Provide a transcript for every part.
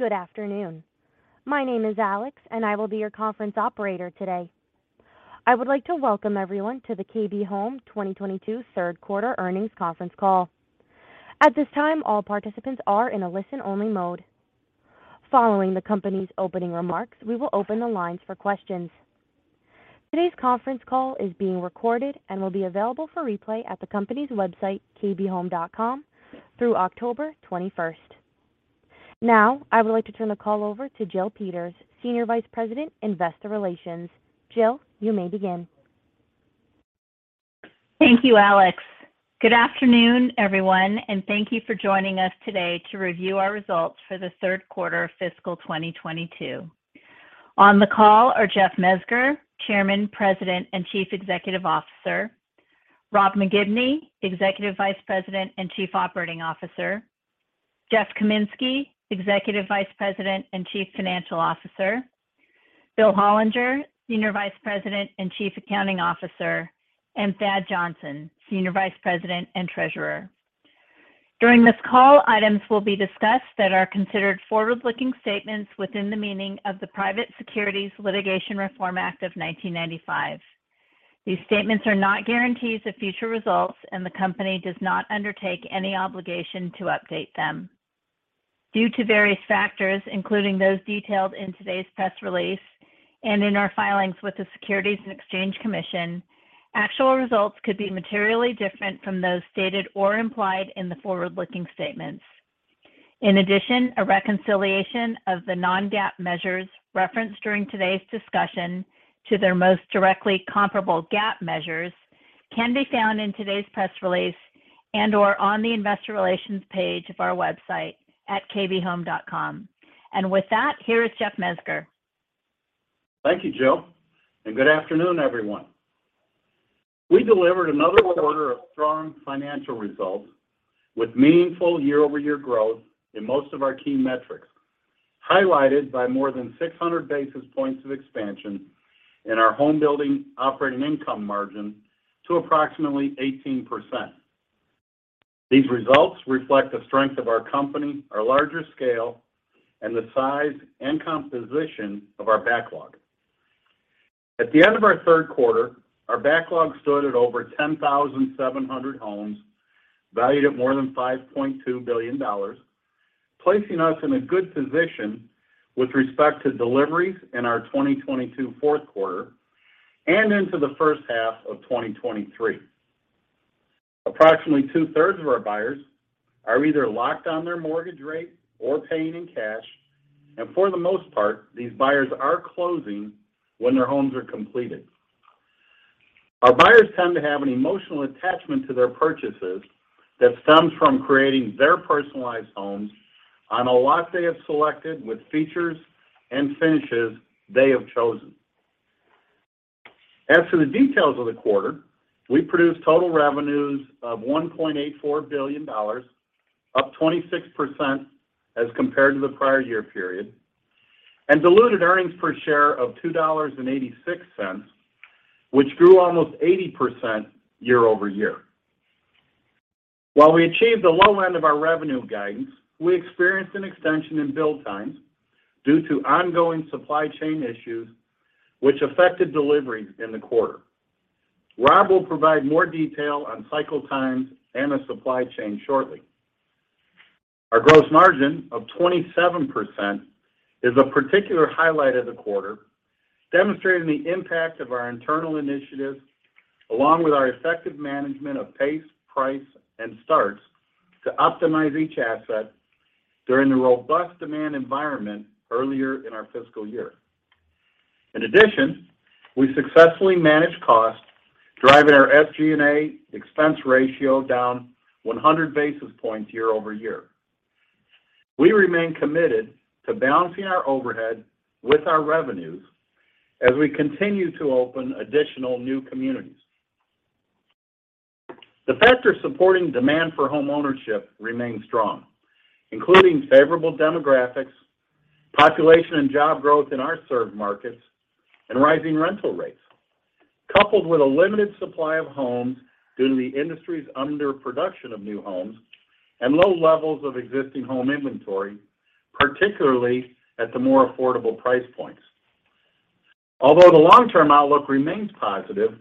Good afternoon. My name is Alex, and I will be your conference operator today. I would like to welcome everyone to the KB Home 2022 Third Quarter Earnings Conference Call. At this time, all participants are in a listen-only mode. Following the company's opening remarks, we will open the lines for questions. Today's conference call is being recorded and will be available for replay at the company's website, kbhome.com, through October 21st. Now, I would like to turn the call over to Jill Peters, Senior Vice President, Investor Relations. Jill, you may begin. Thank you, Alex. Good afternoon, everyone, and thank you for joining us today to review our results for the Third Quarter of Fiscal 2022. On the call are Jeff Mezger, Chairman, President, and Chief Executive Officer. Rob McGibney, Executive Vice President and Chief Operating Officer. Jeff Kaminski, Executive Vice President and Chief Financial Officer. Bill Hollinger, Senior Vice President and Chief Accounting Officer, and Thad Johnson, Senior Vice President and Treasurer. During this call, items will be discussed that are considered forward-looking statements within the meaning of the Private Securities Litigation Reform Act of 1995. These statements are not guarantees of future results, and the company does not undertake any obligation to update them. Due to various factors, including those detailed in today's press release and in our filings with the Securities and Exchange Commission, actual results could be materially different from those stated or implied in the forward-looking statements. In addition, a reconciliation of the non-GAAP measures referenced during today's discussion to their most directly comparable GAAP measures can be found in today's press release and/or on the investor relations page of our website at kbhome.com. With that, here is Jeff Mezger. Thank you, Jill, and good afternoon, everyone. We delivered another quarter of strong financial results with meaningful year-over-year growth in most of our key metrics, highlighted by more than 600 basis points of expansion in our homebuilding operating income margin to approximately 18%. These results reflect the strength of our company, our larger scale, and the size and composition of our backlog. At the end of our third quarter, our backlog stood at over 10,700 homes, valued at more than $5.2 billion, placing us in a good position with respect to deliveries in our 2022 fourth quarter and into the first half of 2023. Approximately two-thirds of our buyers are either locked on their mortgage rate or paying in cash. For the most part, these buyers are closing when their homes are completed. Our buyers tend to have an emotional attachment to their purchases that stems from creating their personalized homes on a lot they have selected with features and finishes they have chosen. As for the details of the quarter, we produced total revenues of $1.84 billion, up 26% as compared to the prior year period, and diluted earnings per share of $2.86, which grew almost 80% year-over-year. While we achieved the low end of our revenue guidance, we experienced an extension in build times due to ongoing supply chain issues which affected deliveries in the quarter. Rob will provide more detail on cycle times and the supply chain shortly. Our gross margin of 27% is a particular highlight of the quarter, demonstrating the impact of our internal initiatives along with our effective management of pace, price, and starts to optimize each asset during the robust demand environment earlier in our fiscal year. In addition, we successfully managed costs, driving our SG&A expense ratio down 100 basis points year over year. We remain committed to balancing our overhead with our revenues as we continue to open additional new communities. The factors supporting demand for homeownership remain strong, including favorable demographics, population and job growth in our served markets, and rising rental rates, coupled with a limited supply of homes due to the industry's underproduction of new homes and low levels of existing home inventory, particularly at the more affordable price points. Although the long-term outlook remains positive,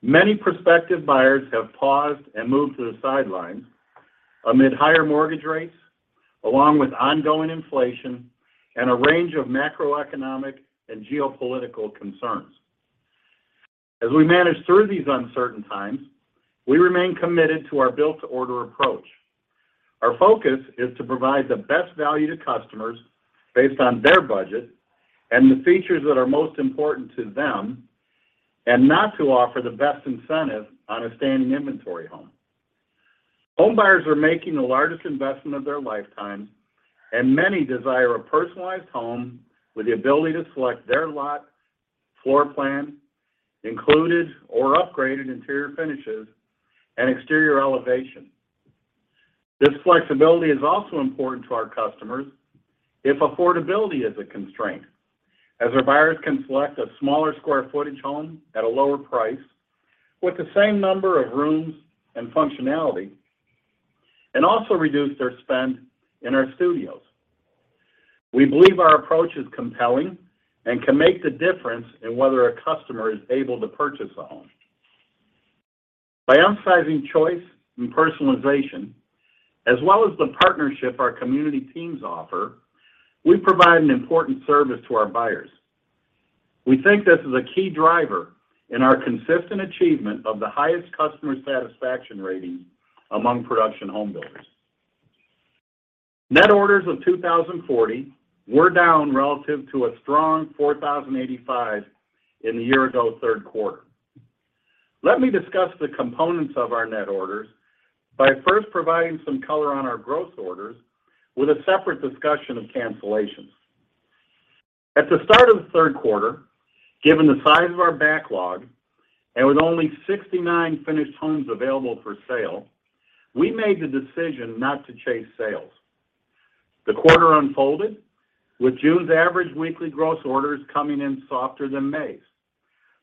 many prospective buyers have paused and moved to the sidelines amid higher mortgage rates, along with ongoing inflation and a range of macroeconomic and geopolitical concerns. As we manage through these uncertain times, we remain committed to our build-to-order approach. Our focus is to provide the best value to customers based on their budget and the features that are most important to them and not to offer the best incentive on a standing inventory home. Home buyers are making the largest investment of their lifetime, and many desire a personalized home with the ability to select their lot, floor plan, included or upgraded interior finishes and exterior elevation. This flexibility is also important to our customers if affordability is a constraint, as our buyers can select a smaller square footage home at a lower price with the same number of rooms and functionality, and also reduce their spend in our studios. We believe our approach is compelling and can make the difference in whether a customer is able to purchase a home. By upsizing choice and personalization, as well as the partnership our community teams offer, we provide an important service to our buyers. We think this is a key driver in our consistent achievement of the highest customer satisfaction rating among production home builders. Net orders of 2,040 were down relative to a strong 4,085 in the year ago third quarter. Let me discuss the components of our net orders by first providing some color on our growth orders with a separate discussion of cancellations. At the start of the third quarter, given the size of our backlog, and with only 69 finished homes available for sale, we made the decision not to chase sales. The quarter unfolded with June's average weekly gross orders coming in softer than May's.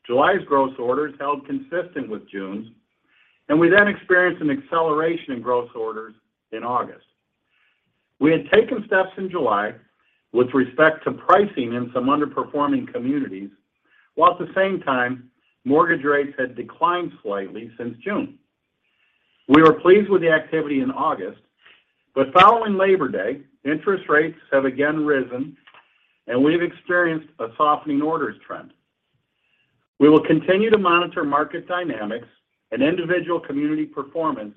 July's gross orders held consistent with June's, and we then experienced an acceleration in gross orders in August. We had taken steps in July with respect to pricing in some underperforming communities, while at the same time, mortgage rates had declined slightly since June. We were pleased with the activity in August, but following Labor Day, interest rates have again risen and we've experienced a softening orders trend. We will continue to monitor market dynamics and individual community performance,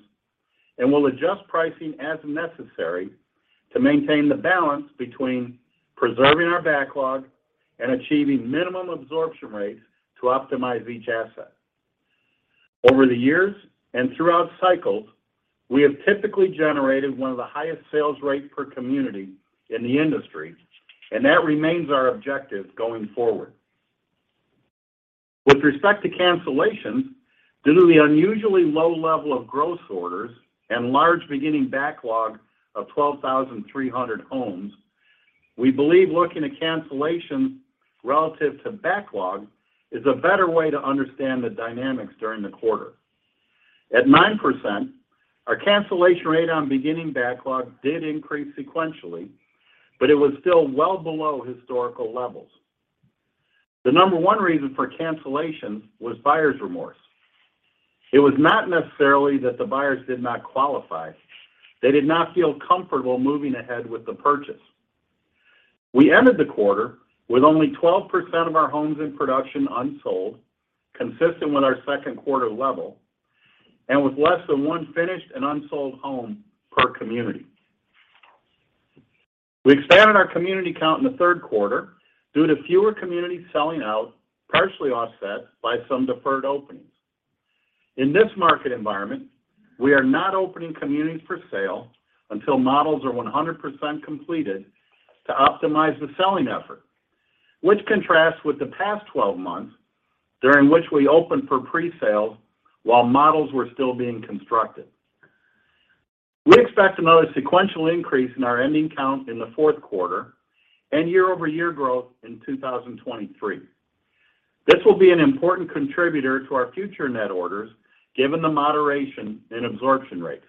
and we'll adjust pricing as necessary to maintain the balance between preserving our backlog and achieving minimum absorption rates to optimize each asset. Over the years and throughout cycles, we have typically generated one of the highest sales rate per community in the industry, and that remains our objective going forward. With respect to cancellations, due to the unusually low level of gross orders and large beginning backlog of 12,300 homes, we believe looking at cancellations relative to backlog is a better way to understand the dynamics during the quarter. At 9%, our cancellation rate on beginning backlog did increase sequentially, but it was still well below historical levels. The number one reason for cancellations was buyer's remorse. It was not necessarily that the buyers did not qualify. They did not feel comfortable moving ahead with the purchase. We ended the quarter with only 12% of our homes in production unsold, consistent with our second quarter level, and with less than one finished and unsold home per community. We expanded our community count in the third quarter due to fewer communities selling out, partially offset by some deferred openings. In this market environment, we are not opening communities for sale until models are 100% completed to optimize the selling effort, which contrasts with the past 12 months during which we opened for presale while models were still being constructed. We expect another sequential increase in our ending count in the fourth quarter and year-over-year growth in 2023. This will be an important contributor to our future net orders given the moderation in absorption rates.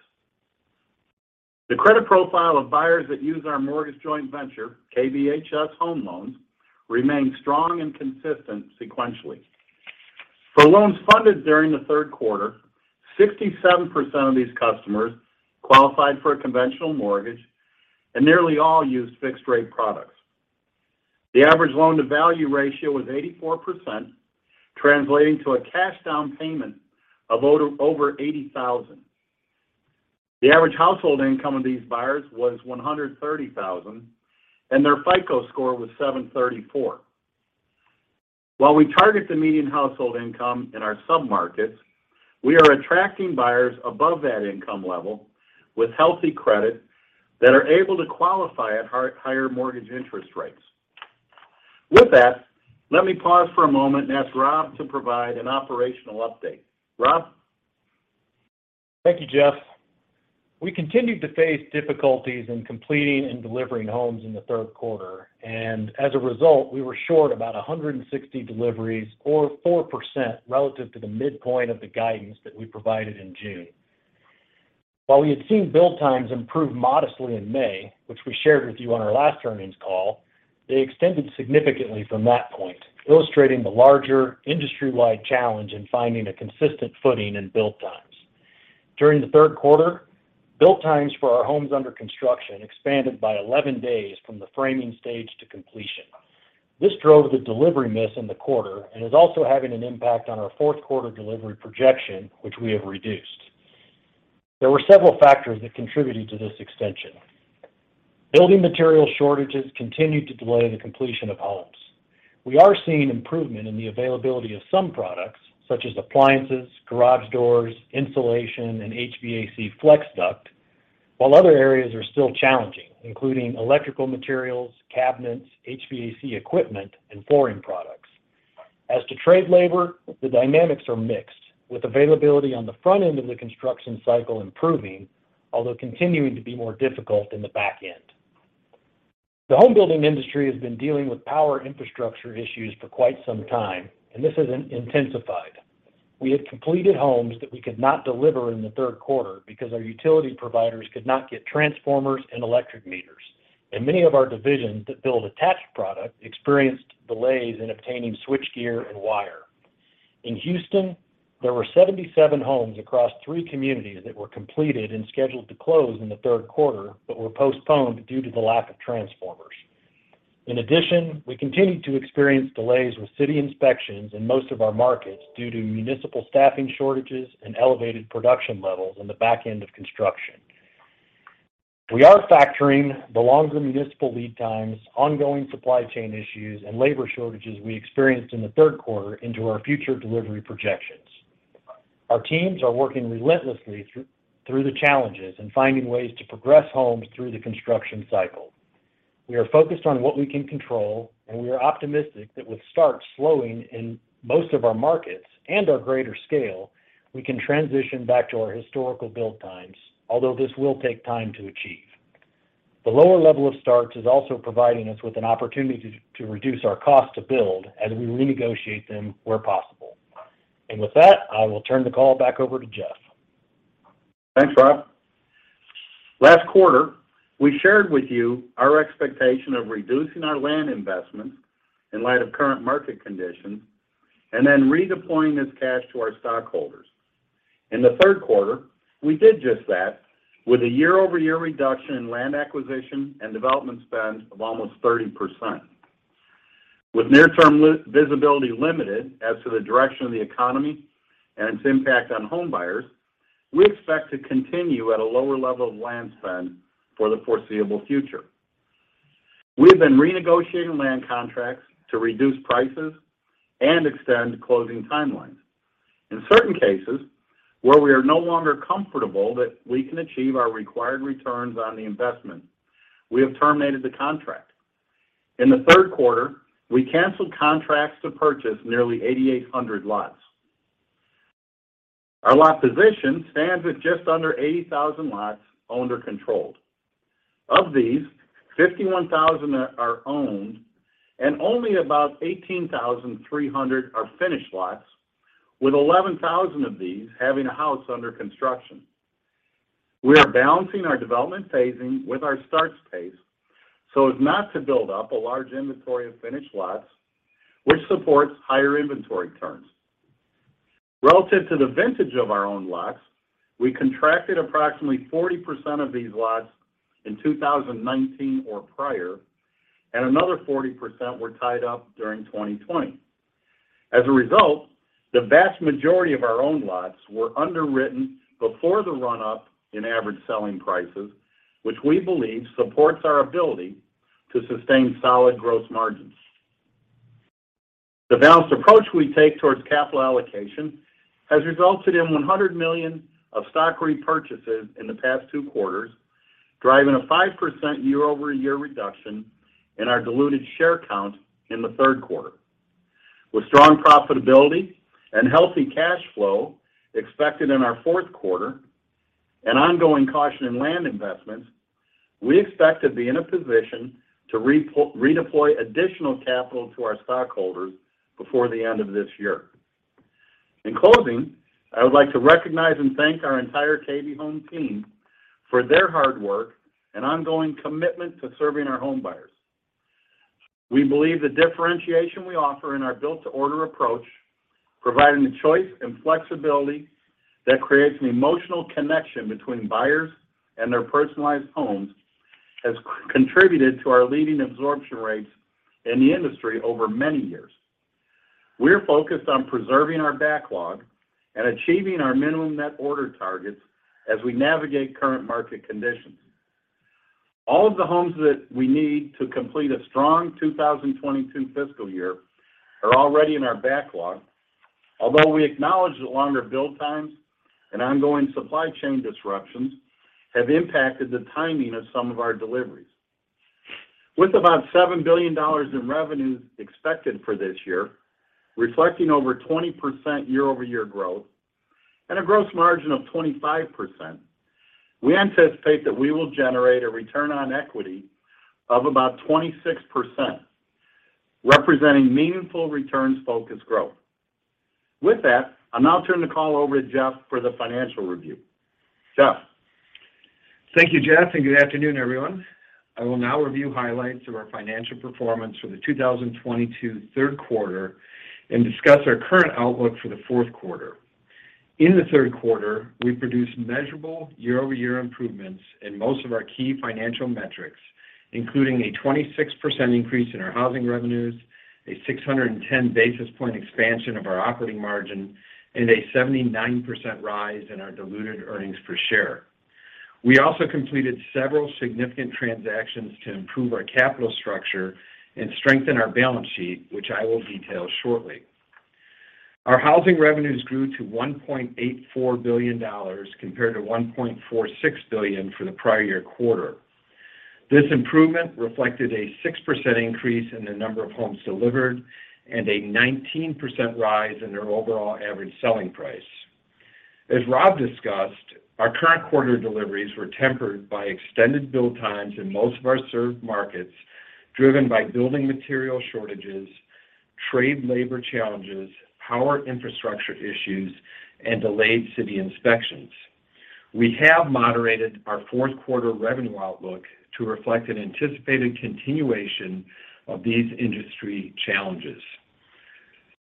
The credit profile of buyers that use our mortgage joint venture, KBHS Home Loans, remain strong and consistent sequentially. For loans funded during the third quarter, 67% of these customers qualified for a conventional mortgage, and nearly all used fixed-rate products. The average loan-to-value ratio was 84%, translating to a cash down payment of over $80,000. The average household income of these buyers was $130,000, and their FICO score was 734. While we target the median household income in our sub-markets, we are attracting buyers above that income level with healthy credit that are able to qualify at higher mortgage interest rates. With that, let me pause for a moment and ask Rob to provide an operational update. Rob? Thank you, Jeff. We continued to face difficulties in completing and delivering homes in the third quarter, and as a result, we were short about 160 deliveries or 4% relative to the midpoint of the guidance that we provided in June. While we had seen build times improve modestly in May, which we shared with you on our last earnings call, they extended significantly from that point, illustrating the larger industry-wide challenge in finding a consistent footing in build times. During the third quarter, build times for our homes under construction expanded by 11 days from the framing stage to completion. This drove the delivery miss in the quarter and is also having an impact on our fourth quarter delivery projection, which we have reduced. There were several factors that contributed to this extension. Building material shortages continued to delay the completion of homes. We are seeing improvement in the availability of some products, such as appliances, garage doors, insulation, and HVAC flex duct, while other areas are still challenging, including electrical materials, cabinets, HVAC equipment, and flooring products. As to trade labor, the dynamics are mixed, with availability on the front end of the construction cycle improving, although continuing to be more difficult in the back end. The home building industry has been dealing with power infrastructure issues for quite some time, and this has intensified. We have completed homes that we could not deliver in the third quarter because our utility providers could not get transformers and electric meters. Many of our divisions that build attached product experienced delays in obtaining switchgear and wire. In Houston, there were 77 homes across three communities that were completed and scheduled to close in the third quarter, but were postponed due to the lack of transformers. In addition, we continued to experience delays with city inspections in most of our markets due to municipal staffing shortages and elevated production levels on the back end of construction. We are factoring the longer municipal lead times, ongoing supply chain issues, and labor shortages we experienced in the third quarter into our future delivery projections. Our teams are working relentlessly through the challenges and finding ways to progress homes through the construction cycle. We are focused on what we can control, and we are optimistic that with starts slowing in most of our markets and our greater scale, we can transition back to our historical build times, although this will take time to achieve. The lower level of starts is also providing us with an opportunity to reduce our cost to build as we renegotiate them where possible. With that, I will turn the call back over to Jeff. Thanks, Rob. Last quarter, we shared with you our expectation of reducing our land investments in light of current market conditions and then redeploying this cash to our stockholders. In the third quarter, we did just that with a year-over-year reduction in land acquisition and development spend of almost 30%. With near-term limited visibility as to the direction of the economy and its impact on homebuyers, we expect to continue at a lower level of land spend for the foreseeable future. We have been renegotiating land contracts to reduce prices and extend closing timelines. In certain cases, where we are no longer comfortable that we can achieve our required returns on the investment, we have terminated the contract. In the third quarter, we canceled contracts to purchase nearly 8,800 lots. Our lot position stands at just under 80,000 lots owned or controlled. Of these, 51,000 are owned and only about 18,300 are finished lots, with 11,000 of these having a house under construction. We are balancing our development phasing with our starts pace so as not to build up a large inventory of finished lots, which supports higher inventory turns. Relative to the vintage of our own lots, we contracted approximately 40% of these lots in 2019 or prior, and another 40% were tied up during 2020. As a result, the vast majority of our own lots were underwritten before the run-up in average selling prices, which we believe supports our ability to sustain solid gross margins. The balanced approach we take towards capital allocation has resulted in $100 million of stock repurchases in the past two quarters, driving a 5% year-over-year reduction in our diluted share count in the third quarter. With strong profitability and healthy cash flow expected in our fourth quarter and ongoing caution in land investments, we expect to be in a position to redeploy additional capital to our stockholders before the end of this year. In closing, I would like to recognize and thank our entire KB Home team for their hard work and ongoing commitment to serving our homebuyers. We believe the differentiation we offer in our build-to-order approach, providing the choice and flexibility that creates an emotional connection between buyers and their personalized homes, has contributed to our leading absorption rates in the industry over many years. We're focused on preserving our backlog and achieving our minimum net order targets as we navigate current market conditions. All of the homes that we need to complete a strong 2022 fiscal year are already in our backlog. Although we acknowledge that longer build times and ongoing supply chain disruptions have impacted the timing of some of our deliveries. With about $7 billion in revenues expected for this year, reflecting over 20% year-over-year growth and a gross margin of 25%, we anticipate that we will generate a return on equity of about 26%, representing meaningful returns-focused growth. With that, I'll now turn the call over to Jeff for the financial review. Jeff. Thank you, Jeff, and good afternoon, everyone. I will now review highlights of our financial performance for the 2022 third quarter and discuss our current outlook for the fourth quarter. In the third quarter, we produced measurable year-over-year improvements in most of our key financial metrics, including a 26% increase in our housing revenues, a 610 basis point expansion of our operating margin, and a 79% rise in our diluted earnings per share. We also completed several significant transactions to improve our capital structure and strengthen our balance sheet, which I will detail shortly. Our housing revenues grew to $1.84 billion compared to $1.46 billion for the prior year quarter. This improvement reflected a 6% increase in the number of homes delivered and a 19% rise in their overall average selling price. As Rob discussed, our current quarter deliveries were tempered by extended build times in most of our served markets, driven by building material shortages, trade labor challenges, power infrastructure issues, and delayed city inspections. We have moderated our fourth quarter revenue outlook to reflect an anticipated continuation of these industry challenges.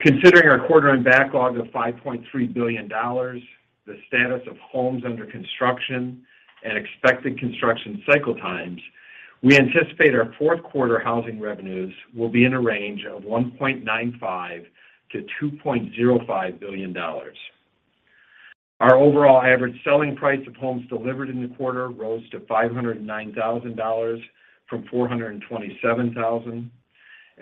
Considering our quarter-end backlog of $5.3 billion, the status of homes under construction, and expected construction cycle times, we anticipate our fourth quarter housing revenues will be in a range of $1.95 billion-$2.05 billion. Our overall average selling price of homes delivered in the quarter rose to $509,000 from $427,000.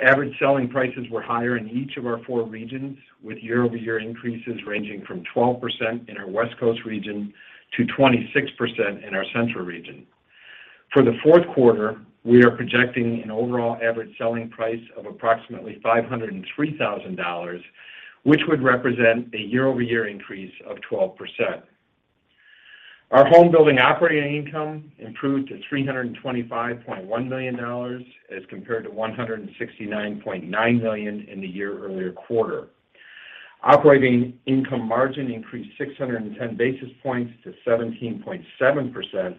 Average selling prices were higher in each of our four regions, with year-over-year increases ranging from 12% in our West Coast region to 26% in our Central region. For the fourth quarter, we are projecting an overall average selling price of approximately $503,000, which would represent a year-over-year increase of 12%. Our homebuilding operating income improved to $325.1 million as compared to $169.9 million in the year-earlier quarter. Operating income margin increased 610 basis points to 17.7%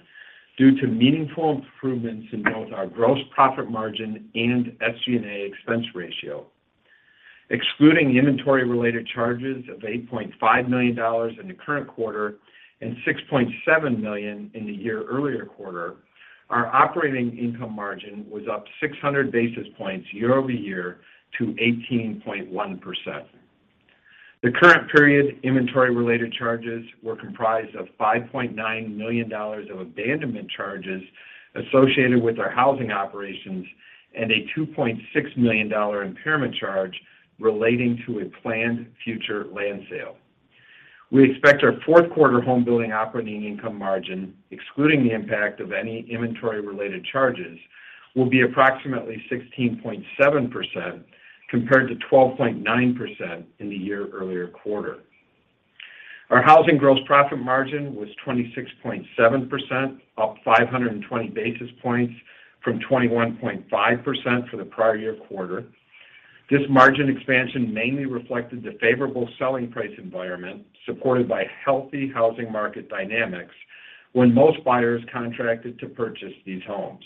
due to meaningful improvements in both our gross profit margin and SG&A expense ratio. Excluding inventory-related charges of $8.5 million in the current quarter and $6.7 million in the year-earlier quarter, our operating income margin was up 600 basis points year-over-year to 18.1%. The current period inventory-related charges were comprised of $5.9 million of abandonment charges associated with our housing operations and a $2.6 million impairment charge relating to a planned future land sale. We expect our fourth quarter homebuilding operating income margin, excluding the impact of any inventory-related charges, will be approximately 16.7% compared to 12.9% in the year-earlier quarter. Our housing gross profit margin was 26.7%, up 520 basis points from 21.5% for the prior year quarter. This margin expansion mainly reflected the favorable selling price environment supported by healthy housing market dynamics when most buyers contracted to purchase these homes.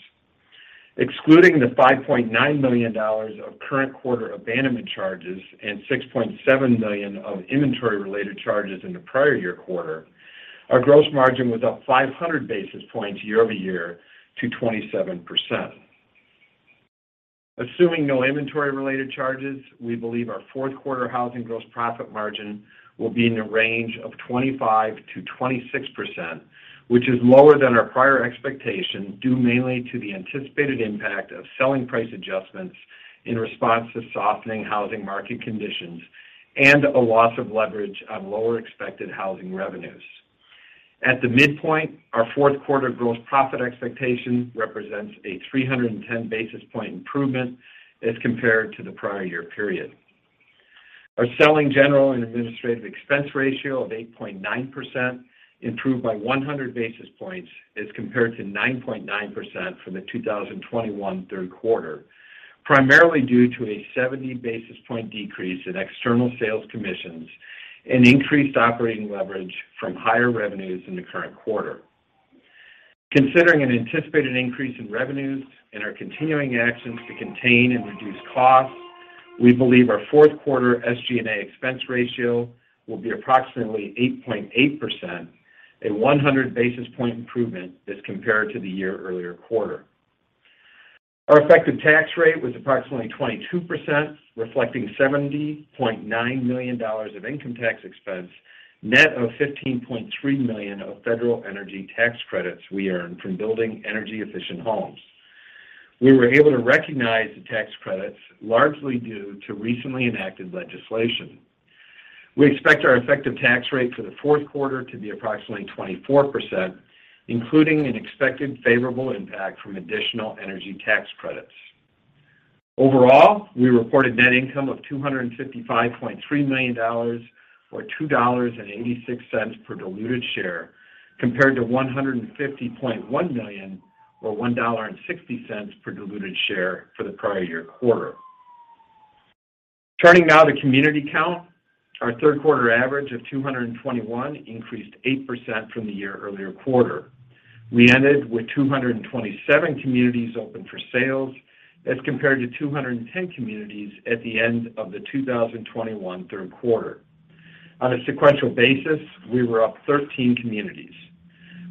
Excluding the $5.9 million of current quarter abandonment charges and $6.7 million of inventory-related charges in the prior year quarter, our gross margin was up 500 basis points year-over-year to 27%. Assuming no inventory-related charges, we believe our fourth quarter housing gross profit margin will be in the range of 25%-26%, which is lower than our prior expectation, due mainly to the anticipated impact of selling price adjustments in response to softening housing market conditions and a loss of leverage on lower expected housing revenues. At the midpoint, our fourth quarter gross profit expectation represents a 310 basis point improvement as compared to the prior year period. Our selling, general, and administrative expense ratio of 8.9% improved by 100 basis points as compared to 9.9% from the 2021 third quarter, primarily due to a 70 basis point decrease in external sales commissions and increased operating leverage from higher revenues in the current quarter. Considering an anticipated increase in revenues and our continuing actions to contain and reduce costs, we believe our fourth quarter SG&A expense ratio will be approximately 8.8%, a 100 basis point improvement as compared to the year-earlier quarter. Our effective tax rate was approximately 22%, reflecting $70.9 million of income tax expense, net of $15.3 million of federal energy tax credits we earned from building energy-efficient homes. We were able to recognize the tax credits largely due to recently enacted legislation. We expect our effective tax rate for the fourth quarter to be approximately 24%, including an expected favorable impact from additional energy tax credits. Overall, we reported net income of $255.3 million or $2.86 per diluted share, compared to $150.1 million or $1.60 per diluted share for the prior year quarter. Turning now to community count. Our third quarter average of 221 increased 8% from the year-earlier quarter. We ended with 227 communities open for sales as compared to 210 communities at the end of the 2021 third quarter. On a sequential basis, we were up 13 communities.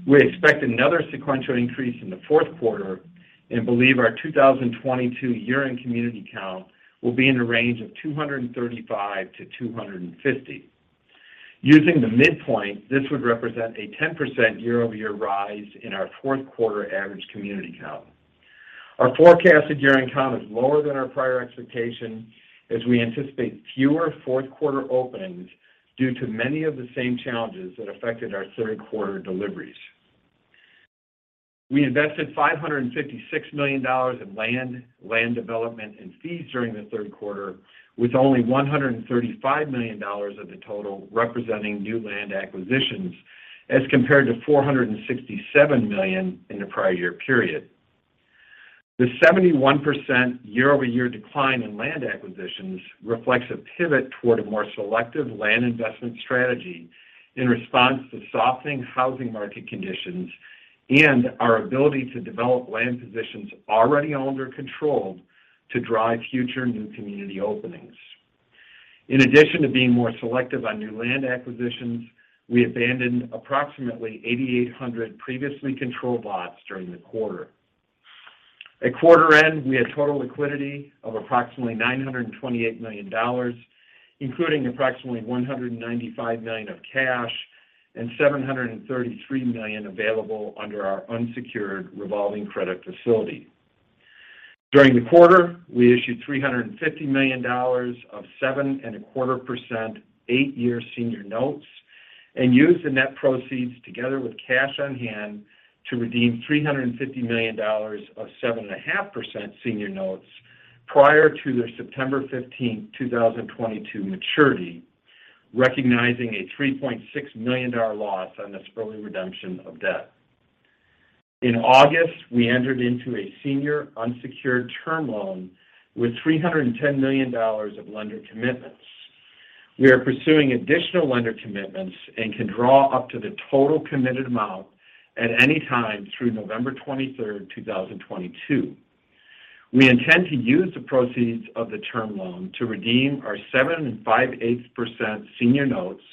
We expect another sequential increase in the fourth quarter and believe our 2022 year-end community count will be in the range of 235-250. Using the midpoint, this would represent a 10% year-over-year rise in our fourth quarter average community count. Our forecasted year-end count is lower than our prior expectation as we anticipate fewer fourth quarter opens due to many of the same challenges that affected our third quarter deliveries. We invested $556 million in land development, and fees during the third quarter, with only $135 million of the total representing new land acquisitions, as compared to $467 million in the prior year period. The 71% year-over-year decline in land acquisitions reflects a pivot toward a more selective land investment strategy in response to softening housing market conditions and our ability to develop land positions already under control to drive future new community openings. In addition to being more selective on new land acquisitions, we abandoned approximately 8,800 previously controlled lots during the quarter. At quarter end, we had total liquidity of approximately $928 million, including approximately $195 million of cash, and $733 million available under our unsecured revolving credit facility. During the quarter, we issued $350 million of 7.25% eight-year senior notes, and used the net proceeds together with cash on hand to redeem $350 million of 7.5% senior notes prior to their September 15th, 2022 maturity, recognizing a $3.6 million loss on this early redemption of debt. In August, we entered into a senior unsecured term loan with $310 million of lender commitments. We are pursuing additional lender commitments and can draw up to the total committed amount at any time through November 23rd, 2022. We intend to use the proceeds of the term loan to redeem our 7 5/8% senior notes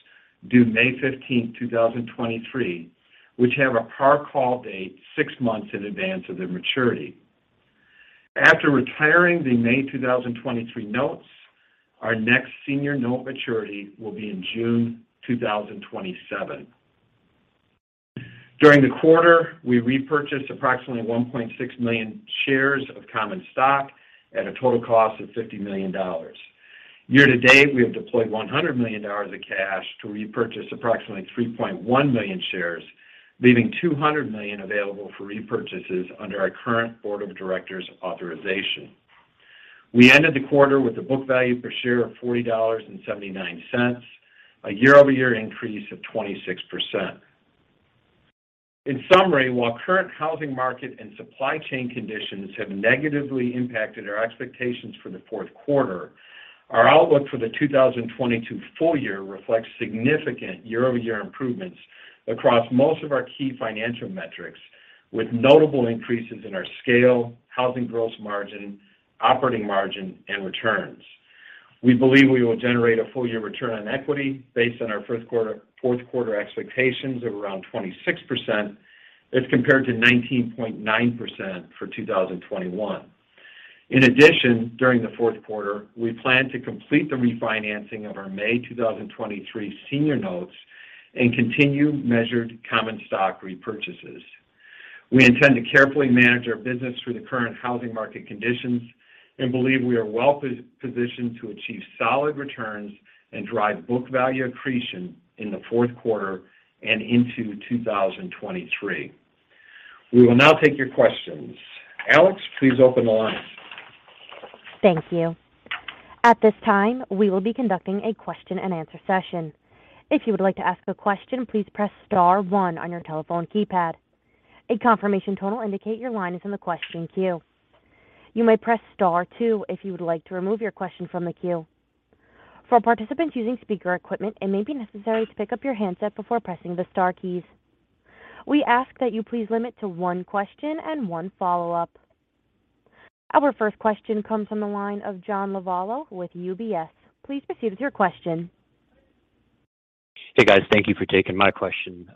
due May 15, 2023, which have a par call date six months in advance of their maturity. After retiring the May 2023 notes, our next senior note maturity will be in June 2027. During the quarter, we repurchased approximately 1.6 million shares of common stock at a total cost of $50 million. Year to date, we have deployed $100 million of cash to repurchase approximately 3.1 million shares, leaving $200 million available for repurchases under our current board of directors authorization. We ended the quarter with a book value per share of $40.79, a year-over-year increase of 26%. In summary, while current housing market and supply chain conditions have negatively impacted our expectations for the fourth quarter, our outlook for the 2022 full year reflects significant year-over-year improvements across most of our key financial metrics, with notable increases in our scale, housing gross margin, operating margin, and returns. We believe we will generate a full year return on equity based on our fourth quarter expectations of around 26% as compared to 19.9% for 2021. In addition, during the fourth quarter, we plan to complete the refinancing of our May 2023 senior notes and continue measured common stock repurchases. We intend to carefully manage our business through the current housing market conditions and believe we are well positioned to achieve solid returns and drive book value accretion in the fourth quarter and into 2023. We will now take your questions. Alex, please open the line. Thank you. At this time, we will be conducting a question and answer session. If you would like to ask a question, please press star one on your telephone keypad. A confirmation tone will indicate your line is in the question queue. You may press star two if you would like to remove your question from the queue. For participants using speaker equipment, it may be necessary to pick up your handset before pressing the star keys. We ask that you please limit to one question and one follow-up. Our first question comes from the line of John Lovallo with UBS. Please proceed with your question. Hey, guys. Thank you for taking my question.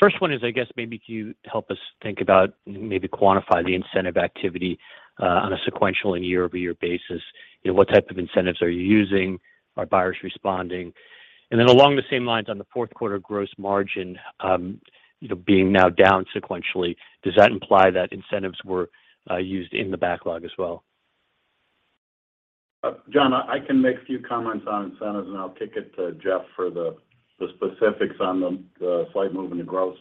First one is, I guess maybe can you help us think about, maybe quantify the incentive activity on a sequential and year-over-year basis? You know, what type of incentives are you using? Are buyers responding? Along the same lines on the fourth quarter gross margin, you know, being now down sequentially, does that imply that incentives were used in the backlog as well? John, I can make a few comments on incentives, and I'll kick it to Jeff for the specifics on the slight move in the gross.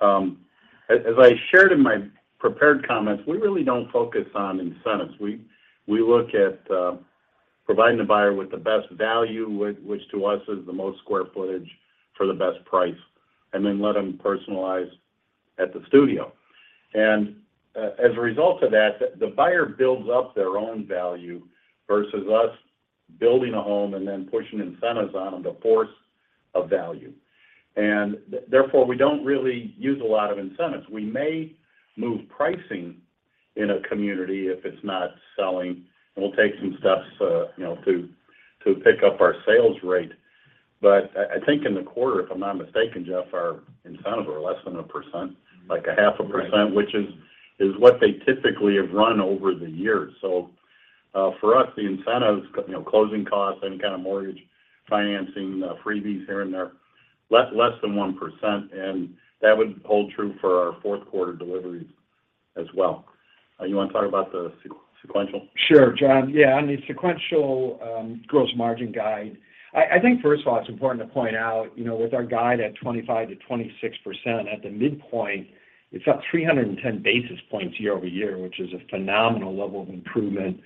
As I shared in my prepared comments, we really don't focus on incentives. We look at providing the buyer with the best value, which to us is the most square footage for the best price, and then let them personalize at the studio. As a result of that, the buyer builds up their own value versus us building a home and then pushing incentives on them to force a value. Therefore, we don't really use a lot of incentives. We may move pricing in a community if it's not selling, and we'll take some steps, you know, to pick up our sales rate. I think in the quarter, if I'm not mistaken, Jeff, our incentives are less than 1%, like 0.5%. Right. Which is what they typically have run over the years. For us, the incentives, you know, closing costs, any kind of mortgage financing, freebies here and there, less than 1%, and that would hold true for our fourth quarter deliveries. As well. You want to talk about the sequential? Sure, John. Yeah, on the sequential gross margin guide, I think, first of all, it's important to point out, you know, with our guide at 25%-26%, at the midpoint, it's up 310 basis points year-over-year, which is a phenomenal level of improvement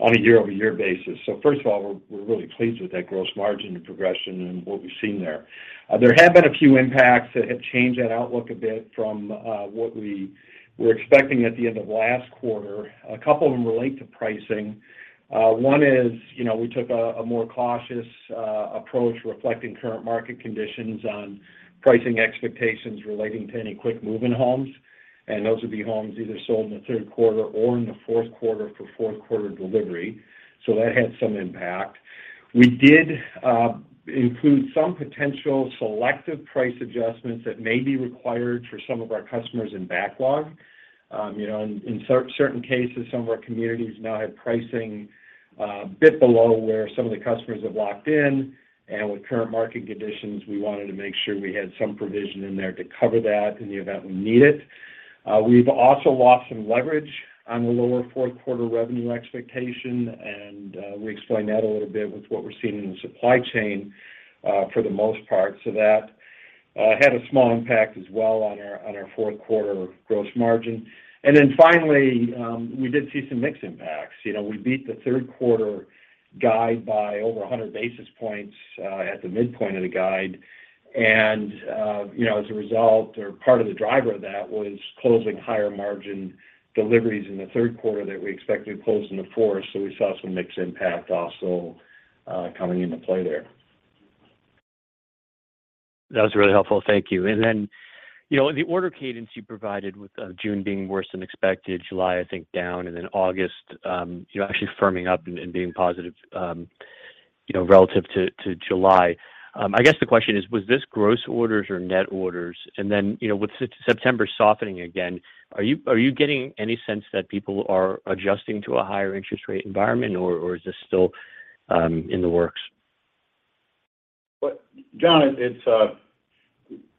on a year-over-year basis. First of all, we're really pleased with that gross margin progression and what we've seen there. There have been a few impacts that have changed that outlook a bit from what we were expecting at the end of last quarter. A couple of them relate to pricing. One is, you know, we took a more cautious approach reflecting current market conditions on pricing expectations relating to any Quick Move-In homes, and those would be homes either sold in the third quarter or in the fourth quarter for fourth quarter delivery. That had some impact. We did include some potential selective price adjustments that may be required for some of our customers in backlog. You know, in certain cases, some of our communities now have pricing a bit below where some of the customers have locked in. With current market conditions, we wanted to make sure we had some provision in there to cover that in the event we need it. We've also lost some leverage on the lower fourth quarter revenue expectation, and we explained that a little bit with what we're seeing in the supply chain, for the most part. That had a small impact as well on our fourth quarter gross margin. Finally, we did see some mix impacts. You know, we beat the third quarter guide by over 100 basis points at the midpoint of the guide. You know, as a result or part of the driver of that was closing higher margin deliveries in the third quarter that we expected to close in the fourth. We saw some mix impact also coming into play there. That was really helpful. Thank you. You know, the order cadence you provided with June being worse than expected, July, I think, down, and then August you know, actually firming up and being positive, you know, relative to July. I guess the question is, was this gross orders or net orders? You know, with September softening again, are you getting any sense that people are adjusting to a higher interest rate environment or is this still in the works? Well, John, it's,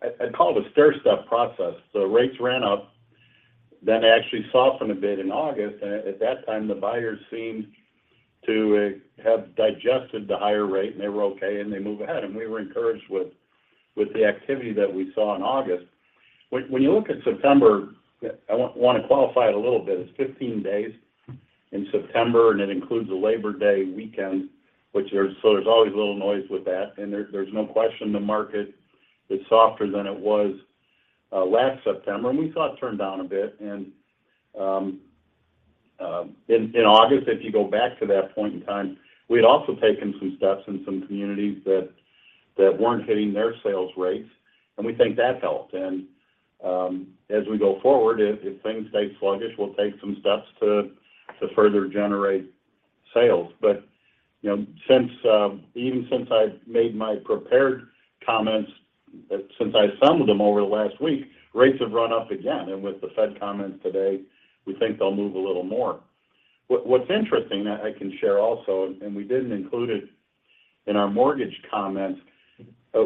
I'd call it a stairstep process. Rates ran up, then actually softened a bit in August. At that time, the buyers seemed to have digested the higher rate, and they were okay, and they moved ahead. We were encouraged with the activity that we saw in August. When you look at September, I want to qualify it a little bit. It's 15 days in September, and it includes the Labor Day weekend, so there's always a little noise with that. There's no question the market is softer than it was last September, and we saw it turn down a bit. In August, if you go back to that point in time, we had also taken some steps in some communities that weren't hitting their sales rates, and we think that helped. As we go forward, if things stay sluggish, we'll take some steps to further generate sales. You know, since even since I've made my prepared comments, since then over the last week, rates have run up again. With the Fed comments today, we think they'll move a little more. What's interesting, I can share also, and we didn't include it in our mortgage comments,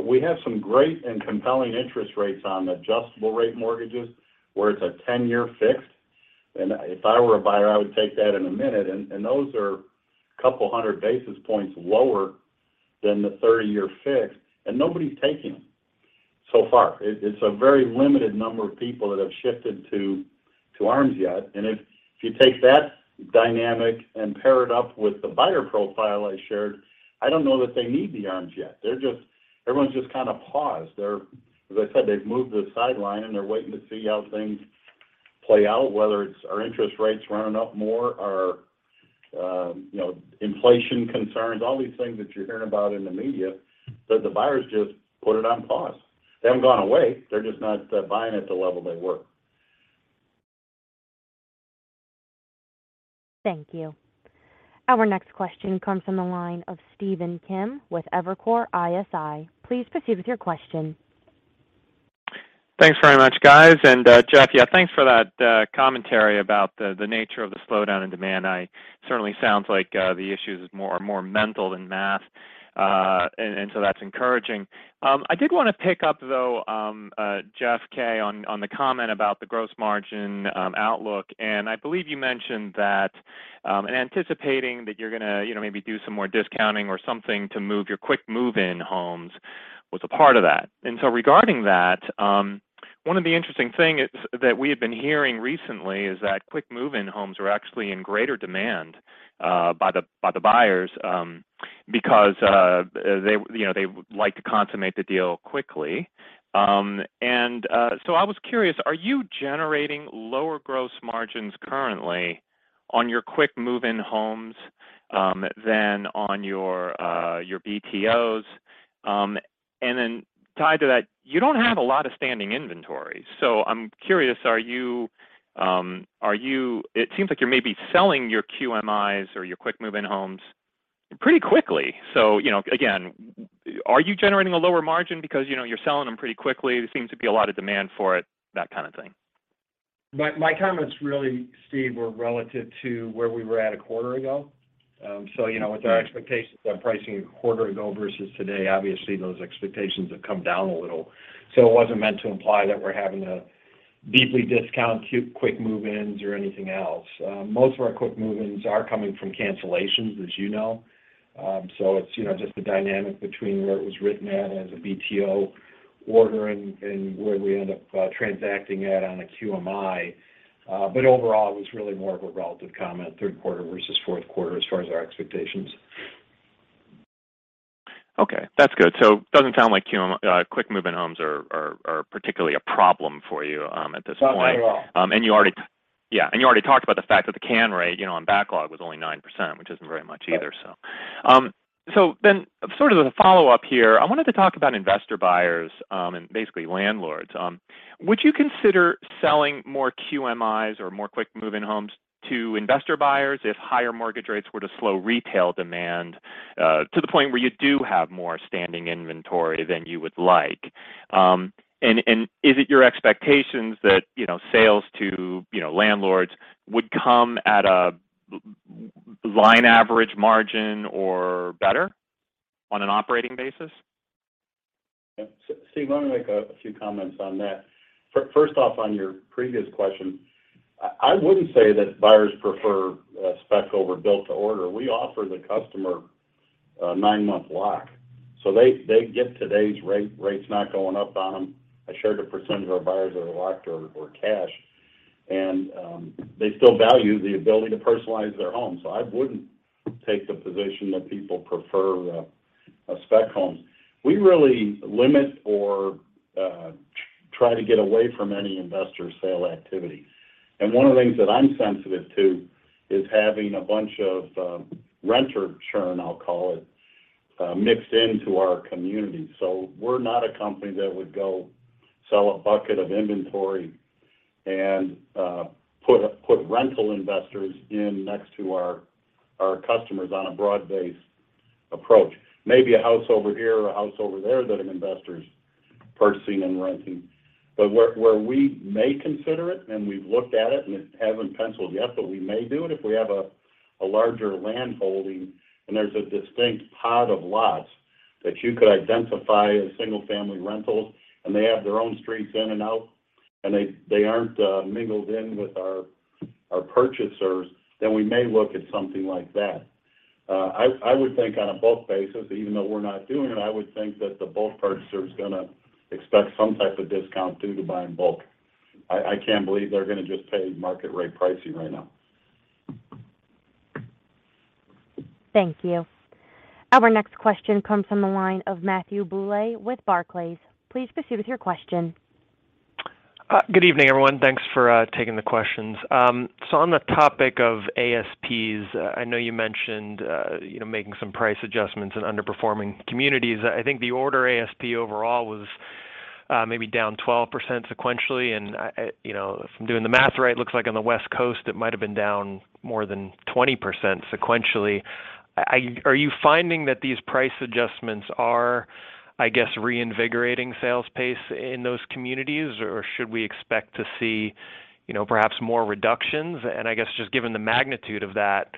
we have some great and compelling interest rates on adjustable-rate mortgages, where it's a 10-year fixed. If I were a buyer, I would take that in a minute. Those are a couple hundred basis points lower than the 30-year fixed, and nobody's taking them so far. It's a very limited number of people that have shifted to ARMs yet. If you take that dynamic and pair it up with the buyer profile I shared, I don't know that they need the ARMs yet. Everyone's just kind of paused. As I said, they've moved to the sideline, and they're waiting to see how things play out, whether it's our interest rates running up more or you know, inflation concerns, all these things that you're hearing about in the media, that the buyers just put it on pause. They haven't gone away. They're just not buying at the level they were. Thank you. Our next question comes from the line of Stephen Kim with Evercore ISI. Please proceed with your question. Thanks very much, guys. Jeff, yeah, thanks for that, commentary about the nature of the slowdown in demand. It certainly sounds like the issue is more mental than math. That's encouraging. I did wanna pick up, though, Jeff K., on the comment about the gross margin outlook. I believe you mentioned that in anticipating that you're gonna maybe do some more discounting or something to move your quick move-in homes was a part of that. Regarding that, one of the interesting thing is that we had been hearing recently is that quick move-in homes are actually in greater demand by the buyers because they like to consummate the deal quickly. I was curious, are you generating lower gross margins currently on your quick move-in homes than on your BTOs? Tied to that, you don't have a lot of standing inventory. I'm curious. It seems like you're maybe selling your QMIs or your quick move-in homes pretty quickly. You know, again, are you generating a lower margin because, you know, you're selling them pretty quickly? There seems to be a lot of demand for it, that kind of thing. My comments really, Steve, were relative to where we were at a quarter ago. You know, with our expectations on pricing a quarter ago versus today, obviously those expectations have come down a little. It wasn't meant to imply that we're having to deeply discount quick move-ins or anything else. Most of our quick move-ins are coming from cancellations, as you know. It's, you know, just the dynamic between where it was written at as a BTO order and where we end up transacting at on a QMI. Overall, it was really more of a relative comment, third quarter versus fourth quarter as far as our expectations. Okay. That's good. Doesn't sound like QM, Quick Move-In homes are particularly a problem for you, at this point. Not at all. You already talked about the fact that the cancel rate, you know, on backlog was only 9%, which isn't very much either. Yeah. Sort of as a follow-up here, I wanted to talk about investor buyers, and basically landlords. Would you consider selling more QMIs or more quick move-in homes to investor buyers if higher mortgage rates were to slow retail demand, to the point where you do have more standing inventory than you would like? And is it your expectations that, you know, sales to, you know, landlords would come at a line average margin or better on an operating basis? Yeah. Let me make a few comments on that. First off, on your previous question, I wouldn't say that buyers prefer spec over build-to-order. We offer the customer a nine-month lock, so they get today's rate. Rate's not going up on them. A third of our buyers are locked or cash, and they still value the ability to personalize their home. I wouldn't take the position that people prefer a spec home. We really limit or try to get away from any investor sale activity. One of the things that I'm sensitive to is having a bunch of renter churn, I'll call it, mixed into our community. We're not a company that would go sell a bucket of inventory and put rental investors in next to our customers on a broad-based approach. Maybe a house over here or a house over there that an investor's purchasing and renting. Where we may consider it, and we've looked at it, and it hasn't penciled yet, but we may do it if we have a larger land holding and there's a distinct pod of lots that you could identify as single-family rentals, and they have their own streets in and out, and they aren't mingled in with our purchasers, then we may look at something like that. I would think on a bulk basis, even though we're not doing it, I would think that the bulk purchaser is gonna expect some type of discount due to buying bulk. I can't believe they're gonna just pay market rate pricing right now. Thank you. Our next question comes from the line of Matthew Bouley with Barclays. Please proceed with your question. Good evening, everyone. Thanks for taking the questions. So on the topic of ASPs, I know you mentioned you know, making some price adjustments in underperforming communities. I think the order ASP overall was maybe down 12% sequentially. I you know, if I'm doing the math right, looks like on the West Coast, it might've been down more than 20% sequentially. Are you finding that these price adjustments are, I guess, reinvigorating sales pace in those communities, or should we expect to see you know, perhaps more reductions? I guess, just given the magnitude of that,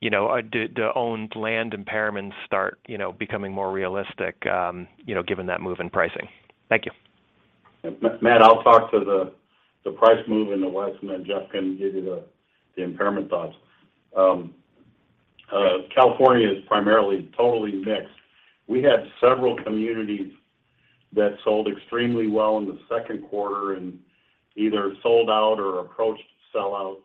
you know do owned land impairments start you know, becoming more realistic given that move in pricing? Thank you. Matt, I'll talk to the price move and the likes, and then Jeff can give you the impairment thoughts. California is primarily totally mixed. We had several communities that sold extremely well in the second quarter and either sold out or approached sellout,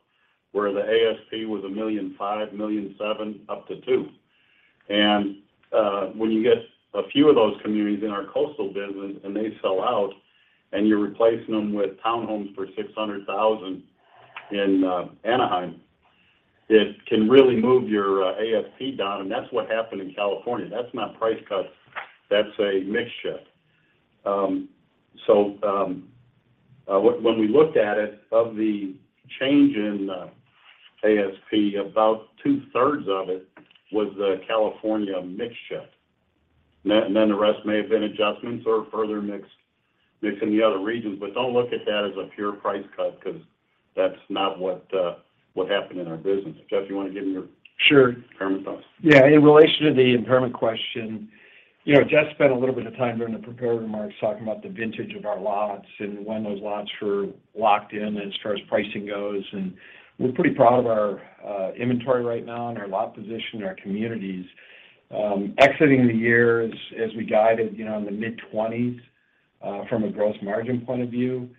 where the ASP was $1.5 million, $1.7 million, up to $2 million. When you get a few of those communities in our coastal business and they sell out, and you're replacing them with townhomes for $600,000 in Anaheim, it can really move your ASP down, and that's what happened in California. That's not price cut. That's a mix shift. When we looked at it, of the change in ASP, about 2/3 of it was the California mix shift. The rest may have been adjustments or further mix in the other regions. Don't look at that as a pure price cut because that's not what happened in our business. Jeff, you want to give them your- Sure. Impairment thoughts? Yeah. In relation to the impairment question, you know, Jeff spent a little bit of time during the prepared remarks talking about the vintage of our lots and when those lots were locked in as far as pricing goes. We're pretty proud of our inventory right now and our lot position in our communities. Exiting the year as we guided, you know, in the mid-20s% from a gross margin point of view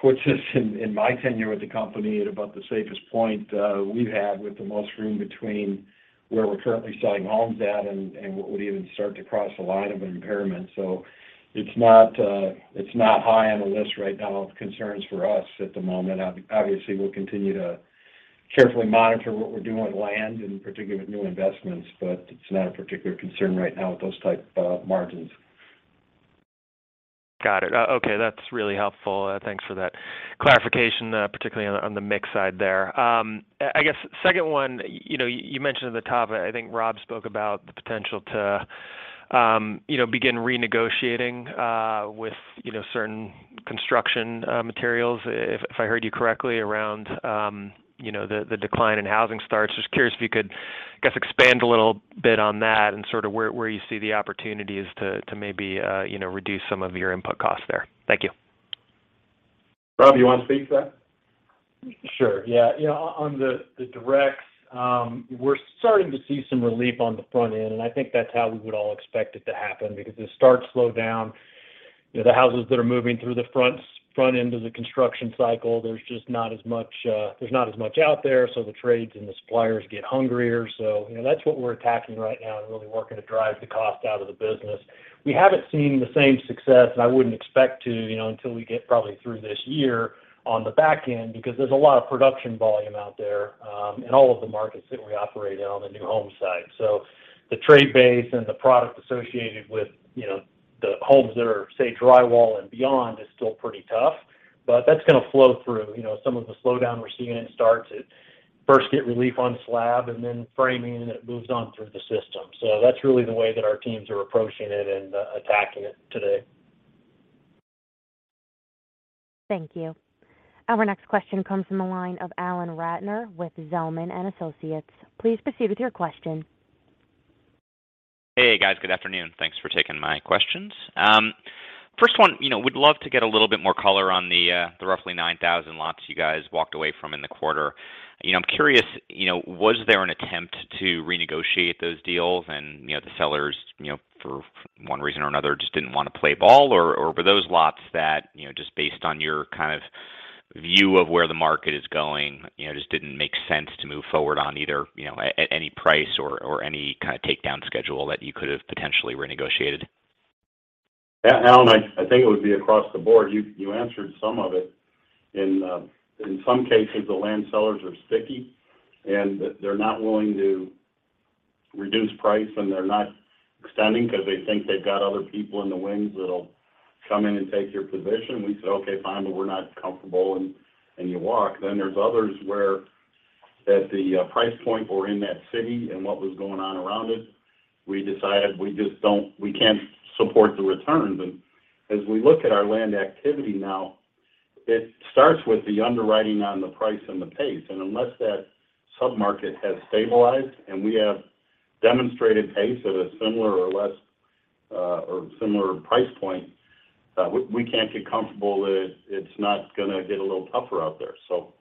puts us in my tenure with the company at about the safest point we've had with the most room between where we're currently selling homes at and what would even start to cross the line of an impairment. It's not high on the list right now of concerns for us at the moment. Obviously, we'll continue to carefully monitor what we're doing with land, in particular with new investments, but it's not a particular concern right now with those type margins. Got it. Okay. That's really helpful. Thanks for that clarification, particularly on the mix side there. I guess second one, you know, you mentioned at the top, I think Rob spoke about the potential to You know, begin renegotiating with you know, certain construction materials, if I heard you correctly, around you know, the decline in housing starts. Just curious if you could, I guess, expand a little bit on that and sort of where you see the opportunities to maybe you know, reduce some of your input costs there. Thank you. Rob, you wanna speak to that? Sure. Yeah. You know, on the directs, we're starting to see some relief on the front end, and I think that's how we would all expect it to happen because as starts slow down, you know, the houses that are moving through the front end of the construction cycle, there's just not as much out there, so the trades and the suppliers get hungrier. You know, that's what we're attacking right now and really working to drive the cost out of the business. We haven't seen the same success, and I wouldn't expect to until we get probably through this year on the back end because there's a lot of production volume out there in all of the markets that we operate in on the new home side. The trade base and the product associated with, you know, the homes that are, say, drywall and beyond is still pretty tough, but that's gonna flow through. You know, some of the slowdown we're seeing in starts it first get relief on slab and then framing, and it moves on through the system. That's really the way that our teams are approaching it and attacking it today. Thank you. Our next question comes from the line of Alan Ratner with Zelman & Associates. Please proceed with your question. Hey, guys. Good afternoon. Thanks for taking my questions. First one, you know, we'd love to get a little bit more color on the roughly 9,000 lots you guys walked away from in the quarter. You know, I'm curious, you know, was there an attempt to renegotiate those deals and, you know, the sellers, you know, for one reason or another just didn't wanna play ball or were those lots that, you know, just based on your kind of view of where the market is going, you know, just didn't make sense to move forward on either, you know, at any price or any kind of takedown schedule that you could have potentially renegotiated? Alan, I think it would be across the board. You answered some of it. In some cases, the land sellers are sticky, and they're not willing to reduce price, and they're not extending 'cause they think they've got other people in the wings that'll come in and take your position. We say, "Okay, fine, but we're not comfortable," and you walk. There's others where at the price point or in that city and what was going on around it, we decided we just don't. We can't support the return. As we look at our land activity now, it starts with the underwriting on the price and the pace. Unless that sub-market has stabilized and we have demonstrated pace at a similar or less or similar price point, we can't get comfortable. It's not gonna get a little tougher out there, so.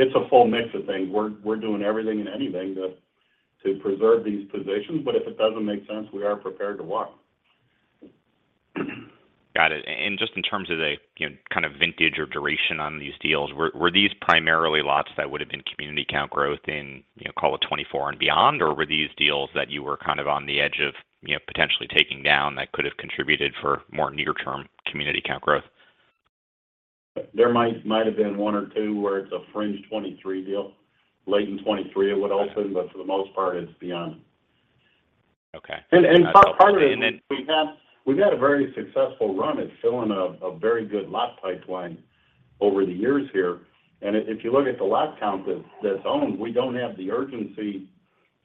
It's a full mix of things. We're doing everything and anything to preserve these positions, but if it doesn't make sense, we are prepared to walk. Got it. And just in terms of the, you know, kind of vintage or duration on these deals, were these primarily lots that would have been community count growth in, you know, call it 2024 and beyond, or were these deals that you were kind of on the edge of, you know, potentially taking down that could have contributed for more near-term community count growth? There might have been one or two where it's a fringe 2023 deal, late in 2023 it would open. Okay. For the most part, it's beyond. Okay. Part of it is we've had a very successful run at filling a very good lot pipeline over the years here. If you look at the lot count that's owned, we don't have the urgency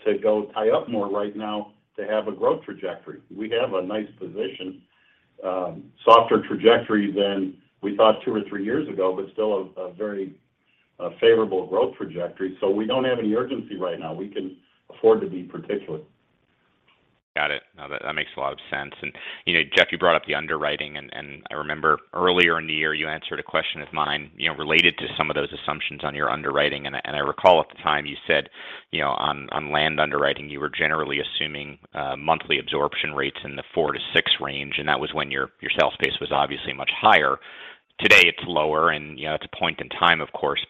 to go tie up more right now to have a growth trajectory. We have a nice position, softer trajectory than we thought two or three years ago, but still a very favorable growth trajectory. We don't have any urgency right now. We can afford to be particular. Got it. No, that makes a lot of sense. You know, Jeff, you brought up the underwriting and I remember earlier in the year you answered a question of mine, you know, related to some of those assumptions on your underwriting. I recall at the time you said, you know, on land underwriting, you were generally assuming monthly absorption rates in the four-six range, and that was when your sales pace was obviously much higher. Today it's lower and you know, it's a point in time, of course.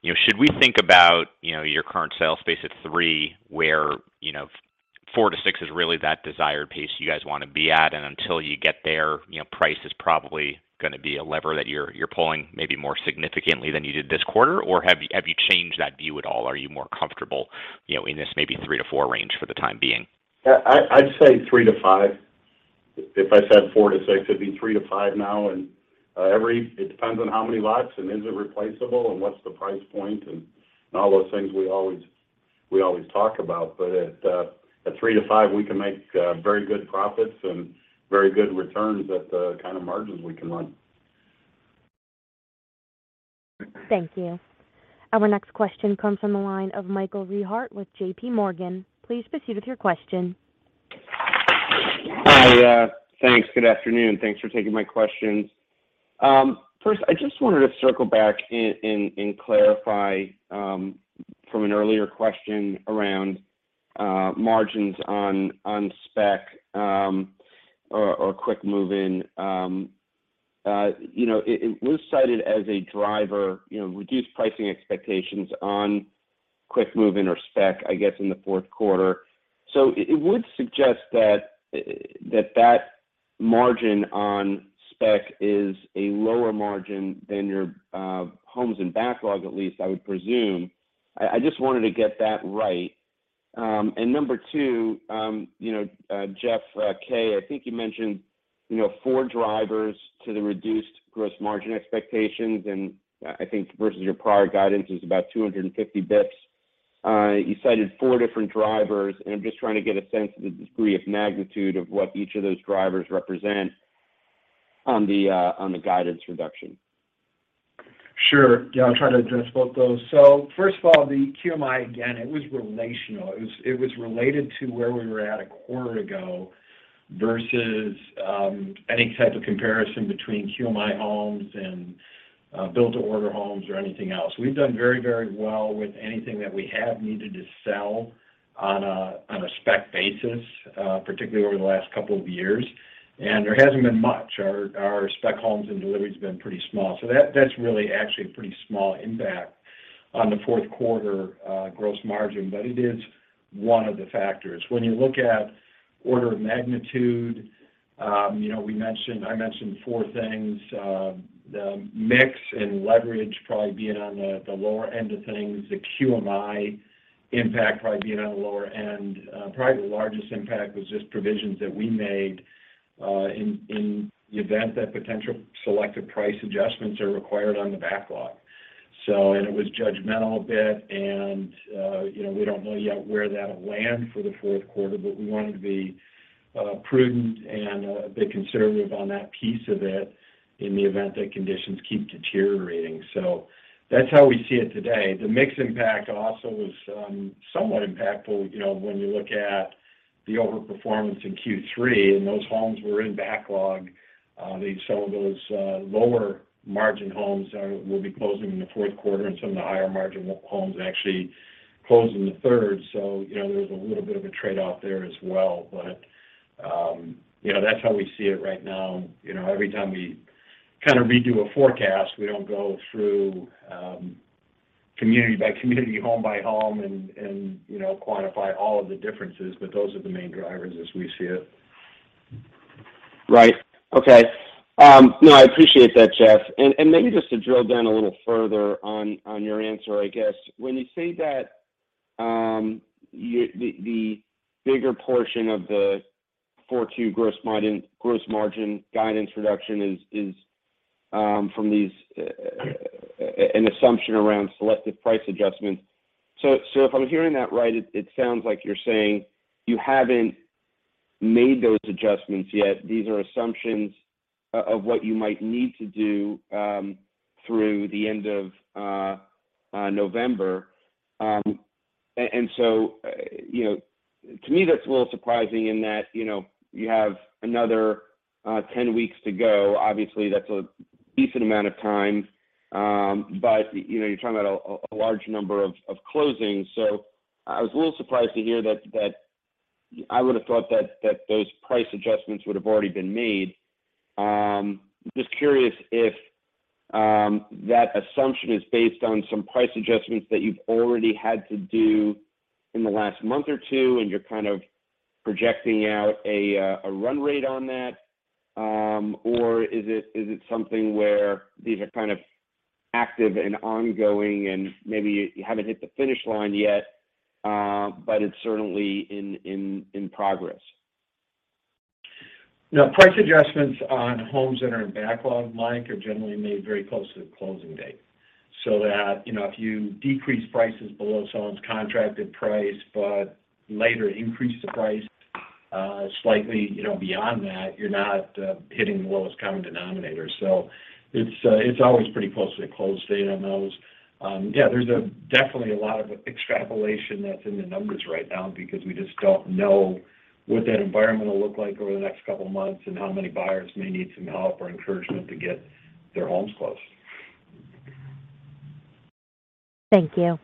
you know, should we think about, you know, your current sales pace at three where, you know, four-six is really that desired pace you guys wanna be at, and until you get there, you know, price is probably gonna be a lever that you're pulling maybe more significantly than you did this quarter? Or have you changed that view at all? Are you more comfortable, you know, in this maybe three-four range for the time being? Yeah. I'd say three-five. If I said four-six, it'd be three-five now. It depends on how many lots and is it replaceable and what's the price point and all those things we always talk about. At three-five, we can make very good profits and very good returns at the kind of margins we can run. Thank you. Our next question comes from the line of Michael Rehaut with JPMorgan. Please proceed with your question. Hi. Thanks. Good afternoon. Thanks for taking my questions. First, I just wanted to circle back and clarify from an earlier question around margins on spec or quick move-in. You know, it was cited as a driver, you know, reduced pricing expectations on quick move-in or spec, I guess, in the fourth quarter. It would suggest that that margin on spec is a lower margin than your homes in backlog, at least, I would presume. I just wanted to get that right. Number two, you know, Jeff K., I think you mentioned. You know, four drivers to the reduced gross margin expectations, and I think versus your prior guidance is about 250 basis points. You cited four different drivers, and I'm just trying to get a sense of the degree of magnitude of what each of those drivers represent on the guidance reduction. Sure. Yeah, I'll try to address both those. First of all, the QMI, again, it was relational. It was related to where we were at a quarter ago versus any type of comparison between QMI homes and build-to-order homes or anything else. We've done very well with anything that we have needed to sell on a spec basis, particularly over the last couple of years. There hasn't been much. Our spec homes and deliveries have been pretty small. That's really actually a pretty small impact on the fourth quarter gross margin. It is one of the factors. When you look at order of magnitude, you know, we mentioned. I mentioned four things. The mix and leverage probably being on the lower end of things, the QMI impact probably being on the lower end. Probably the largest impact was just provisions that we made, in the event that potential selective price adjustments are required on the backlog. It was judgmental a bit and, you know, we don't know yet where that'll land for the fourth quarter, but we wanted to be, prudent and a bit conservative on that piece of it in the event that conditions keep deteriorating. That's how we see it today. The mix impact also was, somewhat impactful, you know, when you look at the overperformance in Q3 and those homes were in backlog. Some of those, lower margin homes will be closing in the fourth quarter and some of the higher margin homes actually closed in the third. You know, there's a little bit of a trade-off there as well. You know, that's how we see it right now. You know, every time we kind of redo a forecast, we don't go through, community by community, home by home and, you know, quantify all of the differences, but those are the main drivers as we see it. Right. Okay. No, I appreciate that, Jeff. Maybe just to drill down a little further on your answer, I guess, when you say that, the bigger portion of the 42% gross margin guidance reduction is from this an assumption around selective price adjustments. If I'm hearing that right, it sounds like you're saying you haven't made those adjustments yet. These are assumptions of what you might need to do through the end of November. You know, to me, that's a little surprising in that, you know, you have another 10 weeks to go. Obviously, that's a decent amount of time. You know, you're talking about a large number of closings. I was a little surprised to hear that. I would have thought that those price adjustments would have already been made. Just curious if that assumption is based on some price adjustments that you've already had to do in the last month or two, and you're kind of projecting out a run rate on that. Or is it something where these are kind of active and ongoing and maybe you haven't hit the finish line yet, but it's certainly in progress? No. Price adjustments on homes that are in backlog, Mike, are generally made very close to the closing date. That, you know, if you decrease prices below someone's contracted price, but later increase the price, slightly, you know, beyond that, you're not hitting the lowest common denominator. It's always pretty close to the close date on those. Yeah, there's definitely a lot of extrapolation that's in the numbers right now because we just don't know what that environment will look like over the next couple of months and how many buyers may need some help or encouragement to get their homes closed. Thank you.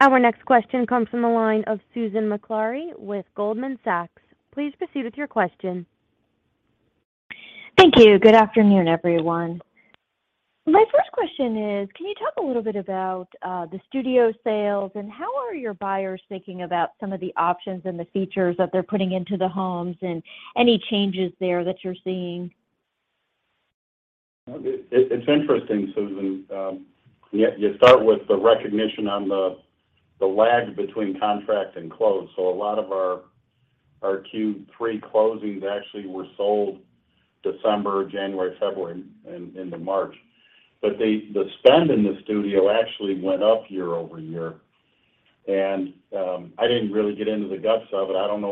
Our next question comes from the line of Susan Maklari with Goldman Sachs. Please proceed with your question. Thank you. Good afternoon, everyone. My first question is, can you talk a little bit about the studio sales, and how are your buyers thinking about some of the options and the features that they're putting into the homes and any changes there that you're seeing? It's interesting, Susan. You start with the recognition on the lag between contract and close. A lot of our Q3 closings actually were sold December, January, February, and into March. The spend in the studio actually went up year-over-year. I didn't really get into the guts of it. I don't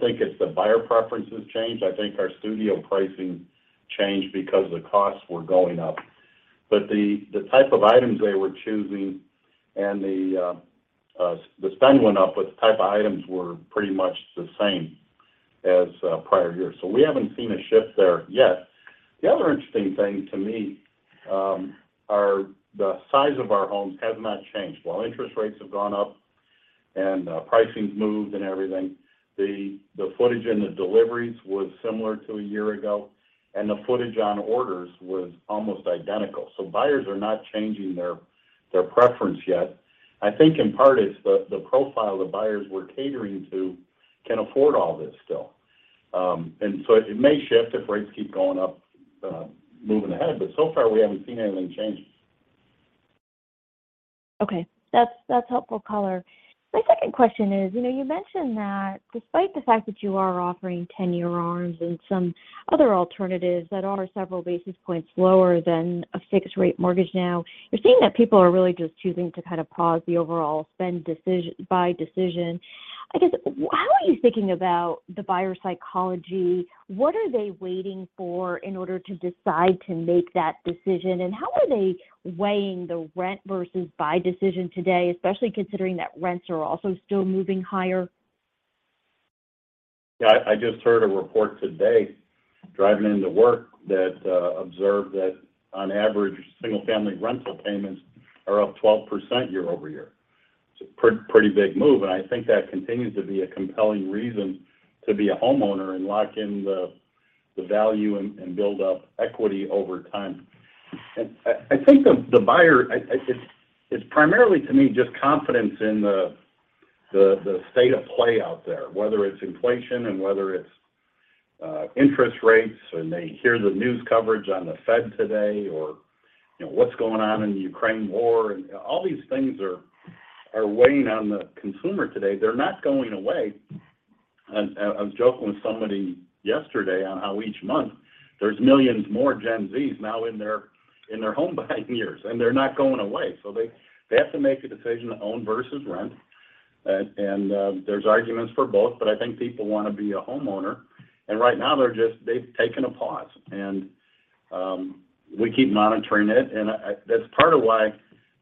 think it's the buyer preferences changed. I think our studio pricing changed because the costs were going up. The type of items they were choosing and the spend went up, but the type of items were pretty much the same as prior years. We haven't seen a shift there yet. The other interesting thing to me are the size of our homes has not changed. While interest rates have gone up and pricing's moved and everything, the footage and the deliveries was similar to a year ago, and the footage on orders was almost identical. Buyers are not changing their preference yet. I think in part it's the profile the buyers we're catering to can afford all this still. It may shift if rates keep going up moving ahead, but so far we haven't seen anything change. Okay. That's helpful color. My second question is, you know, you mentioned that despite the fact that you are offering 10-year arms and some other alternatives that are several basis points lower than a fixed rate mortgage now, you're seeing that people are really just choosing to kind of pause the overall buy decision. I guess, how are you thinking about the buyer psychology? What are they waiting for in order to decide to make that decision? And how are they weighing the rent versus buy decision today, especially considering that rents are also still moving higher? Yeah. I just heard a report today driving into work that observed that on average, single-family rental payments are up 12% year-over-year. It's a pretty big move, and I think that continues to be a compelling reason to be a homeowner and lock in the value and build up equity over time. It's primarily to me just confidence in the state of play out there, whether it's inflation and whether it's interest rates, and they hear the news coverage on the Fed today or, you know, what's going on in the Ukraine war. All these things are weighing on the consumer today. They're not going away. I was joking with somebody yesterday on how each month there's millions more Gen Zs now in their home buying years, and they're not going away. They have to make a decision to own versus rent. There's arguments for both, but I think people wanna be a homeowner. Right now they're just. They've taken a pause. We keep monitoring it. That's part of why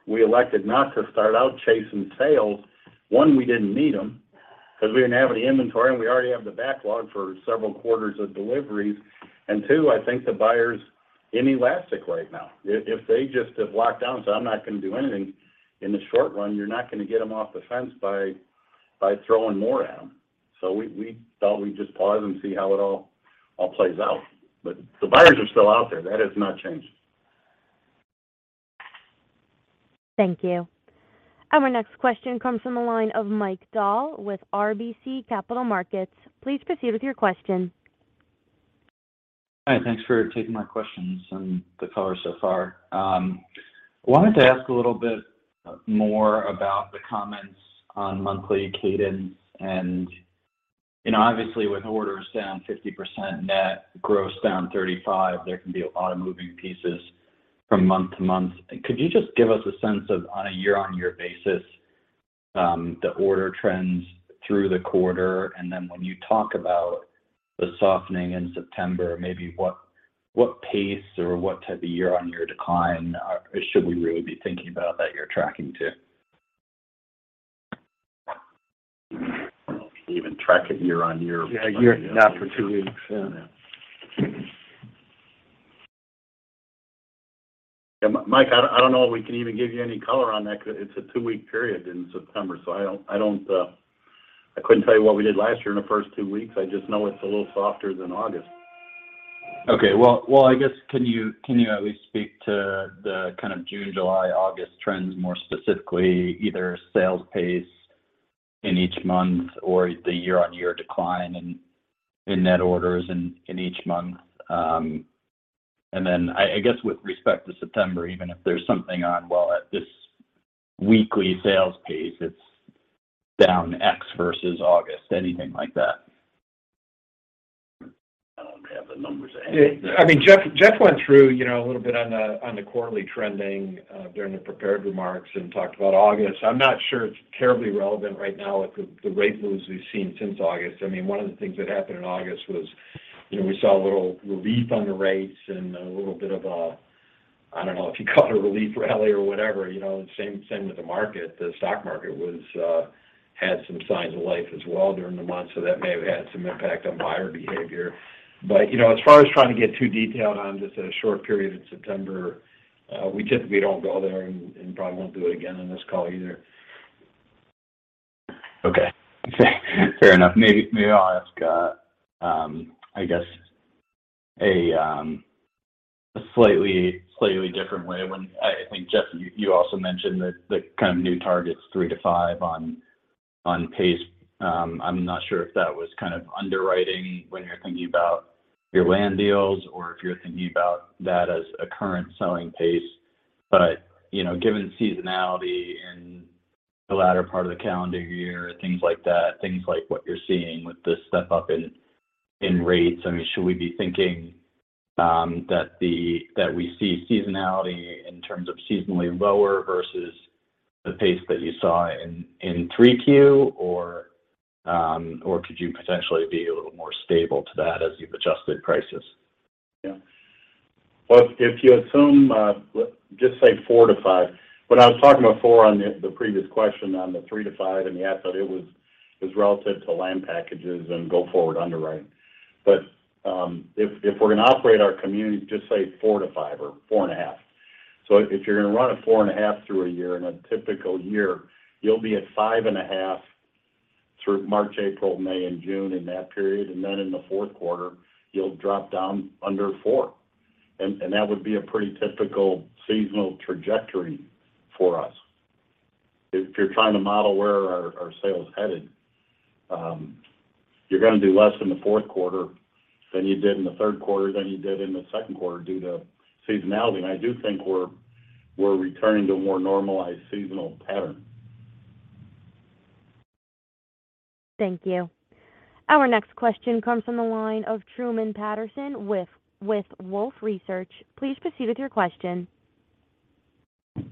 we elected not to start out chasing sales. One, we didn't need them 'cause we didn't have any inventory, and we already have the backlog for several quarters of deliveries. Two, I think the buyer's inelastic right now. If they just have locked down and said, "I'm not gonna do anything in the short run," you're not gonna get them off the fence by throwing more at them. We thought we'd just pause and see how it all plays out. The buyers are still out there. That has not changed. Thank you. Our next question comes from the line of Michael Dahl with RBC Capital Markets. Please proceed with your question. Hi, thanks for taking my questions and the color so far. Wanted to ask a little bit more about the comments on monthly cadence. You know, obviously with orders down 50% net, gross down 35%, there can be a lot of moving pieces from month to month. Could you just give us a sense of, on a year-on-year basis, the order trends through the quarter, and then when you talk about the softening in September, maybe what pace or what type of year-on-year decline should we really be thinking about that you're tracking to? I don't know if we even track it year-over-year. Yeah. Not for two weeks. Yeah. Yeah. Mike, I don't know if we can even give you any color on that 'cause it's a two-week period in September, so I don't. I couldn't tell you what we did last year in the first two weeks. I just know it's a little softer than August. Okay. Well, I guess can you at least speak to the kind of June, July, August trends more specifically, either sales pace in each month or the year-on-year decline in net orders in each month? And then I guess with respect to September, even if there's something on, well, at this weekly sales pace, it's down X versus August, anything like that. I don't have the numbers at hand. I mean, Jeff went through, you know, a little bit on the quarterly trending during the prepared remarks and talked about August. I'm not sure it's terribly relevant right now with the rate moves we've seen since August. I mean, one of the things that happened in August was, you know, we saw a little relief on the rates and a little bit of a, I don't know if you'd call it a relief rally or whatever. You know, same with the market. The stock market had some signs of life as well during the month, so that may have had some impact on buyer behavior. You know, as far as trying to get too detailed on just a short period in September, we typically don't go there and probably won't do it again on this call either. Okay. Fair enough. Maybe I'll ask a slightly different way. When I think, Jeff, you also mentioned the kind of new targets three-five on pace. I'm not sure if that was kind of underwriting when you're thinking about your land deals or if you're thinking about that as a current selling pace. You know, given seasonality in the latter part of the calendar year, things like that, things like what you're seeing with this step up in rates, I mean, should we be thinking that we see seasonality in terms of seasonally lower versus the pace that you saw in 3Q? Or could you potentially be a little more stable to that as you've adjusted prices? Yeah. Well, if you assume just say four-five. What I was talking before on the previous question on the three-five in the asset, it was relative to land packages and go-forward underwriting. If we're going to operate our communities, just say four-five or 4.5. If you're going to run a 4.5 through a year in a typical year, you'll be at 5.5 through March, April, May and June in that period. Then in the fourth quarter, you'll drop down under four. That would be a pretty typical seasonal trajectory for us if you're trying to model where our sales headed. You're gonna do less in the fourth quarter than you did in the third quarter than you did in the second quarter due to seasonality. I do think we're returning to a more normalized seasonal pattern. Thank you. Our next question comes from the line of Truman Patterson with Wolfe Research. Please proceed with your question.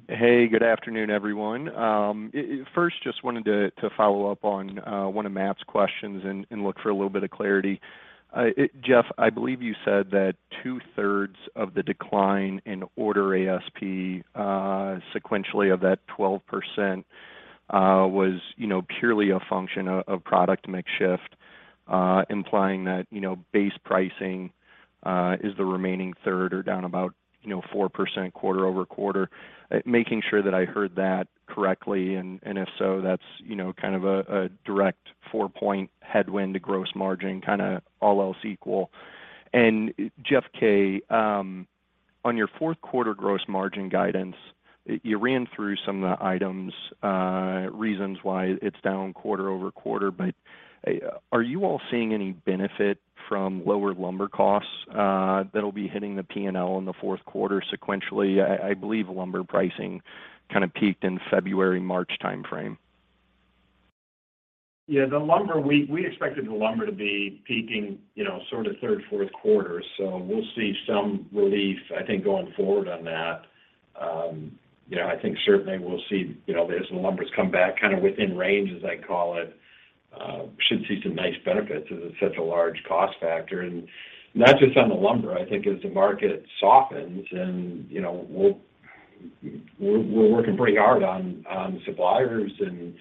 Hey, good afternoon, everyone. First, just wanted to follow up on one of Matt's questions and look for a little bit of clarity. Jeff, I believe you said that 2/3 of the decline in order ASP sequentially of that 12% was, you know, purely a function of product mix shift, implying that, you know, base pricing is the remaining third or down about, you know, 4% quarter-over-quarter. Making sure that I heard that correctly, and if so, that's, you know, kind of a direct four point headwind to gross margin, kinda all else equal. Jeff K., on your fourth quarter gross margin guidance, you ran through some of the items, reasons why it's down quarter-over-quarter, but are you all seeing any benefit from lower lumber costs that'll be hitting the P&L in the fourth quarter sequentially? I believe lumber pricing kind of peaked in February, March timeframe. Yeah, we expected the lumber to be peaking, you know, sort of third, fourth quarter. We'll see some relief, I think, going forward on that. You know, I think certainly we'll see, you know, as the lumber comes back kind of within range, as I call it, should see some nice benefits as it's such a large cost factor. Not just on the lumber. I think as the market softens and, you know, we're working pretty hard on suppliers and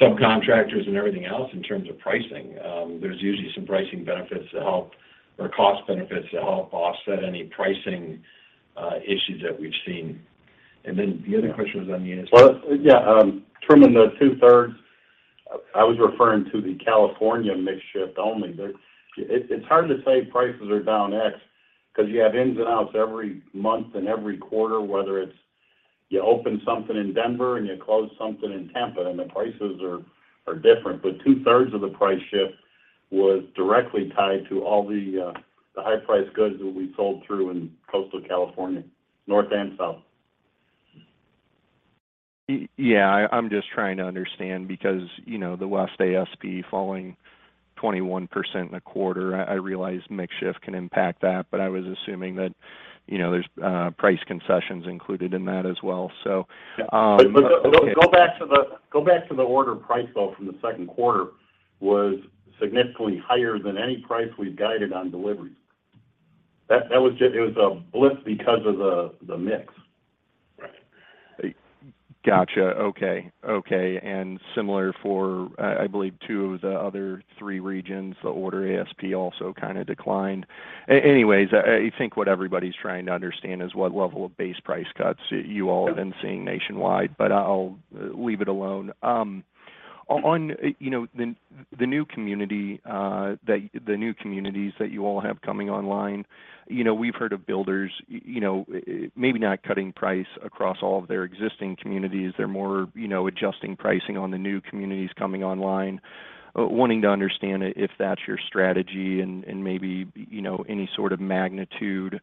subcontractors and everything else in terms of pricing. There's usually some pricing benefits to help or cost benefits to help offset any pricing issues that we've seen. The other question was on the unit. Well, yeah, trimming the two-thirds, I was referring to the California mix shift only. It's hard to say prices are down X because you have ins and outs every month and every quarter, whether it's you open something in Denver, and you close something in Tampa, and the prices are different. But two-thirds of the price shift was directly tied to all the high price goods that we sold through in coastal California, north and south. Yeah, I'm just trying to understand because, you know, the West ASP falling 21% in a quarter, I realize mix shift can impact that, but I was assuming that, you know, there's price concessions included in that as well. So, Go back to the order price, though, from the second quarter was significantly higher than any price we've guided on deliveries. That was just. It was a blip because of the mix. Right. Gotcha. Okay. Similar for, I believe, two of the other three regions, the order ASP also kind of declined. Anyways, I think what everybody's trying to understand is what level of base price cuts you all have been seeing nationwide, but I'll leave it alone. On, you know, the new communities that you all have coming online, you know, we've heard of builders, you know, maybe not cutting price across all of their existing communities. They're more, you know, adjusting pricing on the new communities coming online, wanting to understand if that's your strategy and maybe, you know, any sort of magnitude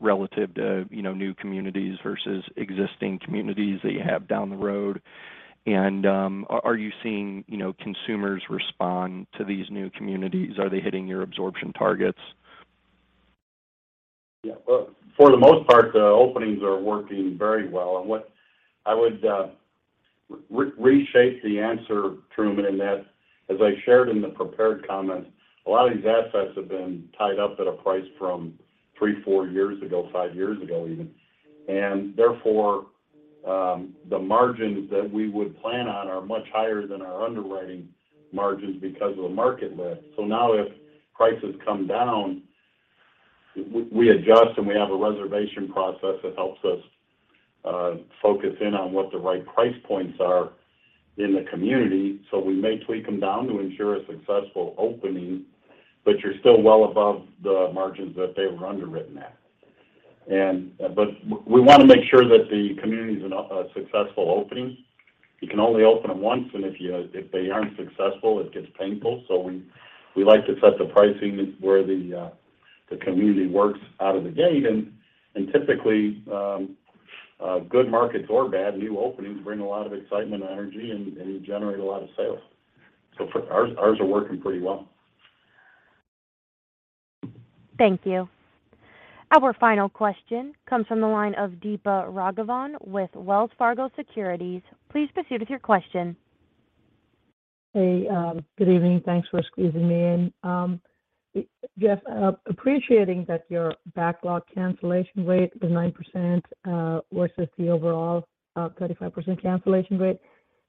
relative to, you know, new communities versus existing communities that you have down the road. Are you seeing, you know, consumers respond to these new communities? Are they hitting your absorption targets? Yeah. Well, for the most part, the openings are working very well. What I would rephrase the answer, Truman, in that, as I shared in the prepared comments, a lot of these assets have been tied up at a price from three, four years ago, five years ago even. Therefore, the margins that we would plan on are much higher than our underwriting margins because of the market lift. Now if prices come down, we adjust, and we have a reservation process that helps us focus in on what the right price points are in the community. We may tweak them down to ensure a successful opening, but you're still well above the margins that they were underwritten at. We wanna make sure that the community is a successful opening. You can only open them once, and if they aren't successful, it gets painful. We like to set the pricing where the community works out of the gate. Typically, good markets or bad, new openings bring a lot of excitement and energy and generate a lot of sales. Ours are working pretty well. Thank you. Our final question comes from the line of Deepa Raghavan with Wells Fargo Securities. Please proceed with your question. Hey, good evening. Thanks for squeezing me in. Jeff, appreciating that your backlog cancellation rate, the 9%, versus the overall, 35% cancellation rate,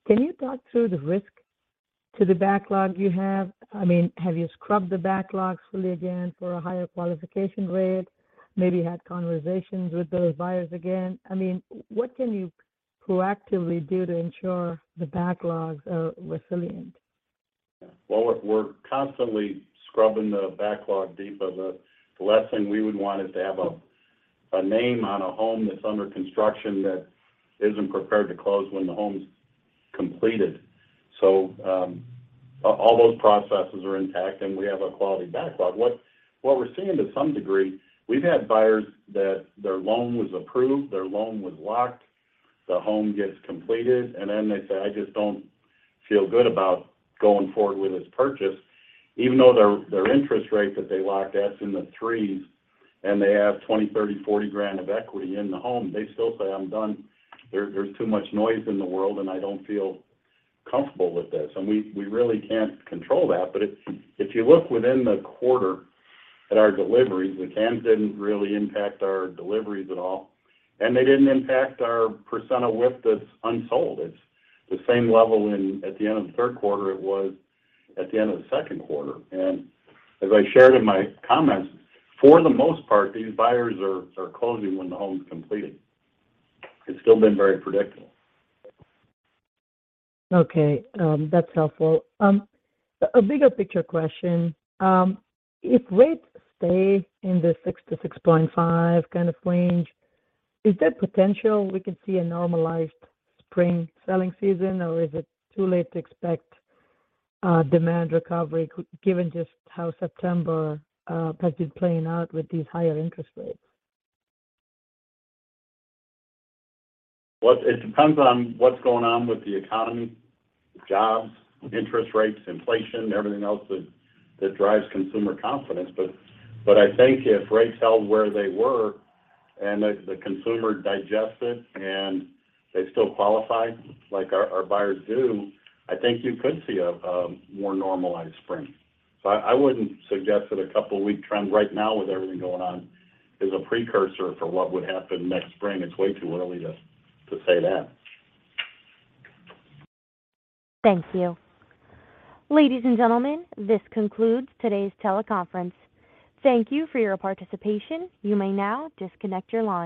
can you talk through the risk to the backlog you have? I mean, have you scrubbed the backlogs fully again for a higher qualification rate, maybe had conversations with those buyers again? I mean, what can you proactively do to ensure the backlogs are resilient? Well, we're constantly scrubbing the backlog, Deepa. The last thing we would want is to have a name on a home that's under construction that isn't prepared to close when the home's completed. All those processes are intact, and we have a quality backlog. What we're seeing to some degree, we've had buyers that their loan was approved, their loan was locked, the home gets completed, and then they say, "I just don't feel good about going forward with this purchase," even though their interest rate that they locked at is in the 3s and they have $20, $30, $40 grand of equity in the home. They still say, "I'm done. There's too much noise in the world, and I don't feel comfortable with this." We really can't control that. If you look within the quarter at our deliveries, the cancellations didn't really impact our deliveries at all, and they didn't impact our percent of WIP that's unsold. It's the same level at the end of the third quarter it was at the end of the second quarter. As I shared in my comments, for the most part, these buyers are closing when the home's completed. It's still been very predictable. Okay. That's helpful. A bigger picture question. If rates stay in the 6%-6.5% kind of range, is there potential we could see a normalized spring selling season, or is it too late to expect demand recovery given just how September is playing out with these higher interest rates? It depends on what's going on with the economy, jobs, interest rates, inflation, everything else that drives consumer confidence. I think if rates held where they were and the consumer digested and they still qualify like our buyers do, I think you could see a more normalized spring. I wouldn't suggest that a couple week trend right now with everything going on is a precursor for what would happen next spring. It's way too early to say that. Thank you. Ladies and gentlemen, this concludes today's teleconference. Thank you for your participation. You may now disconnect your line.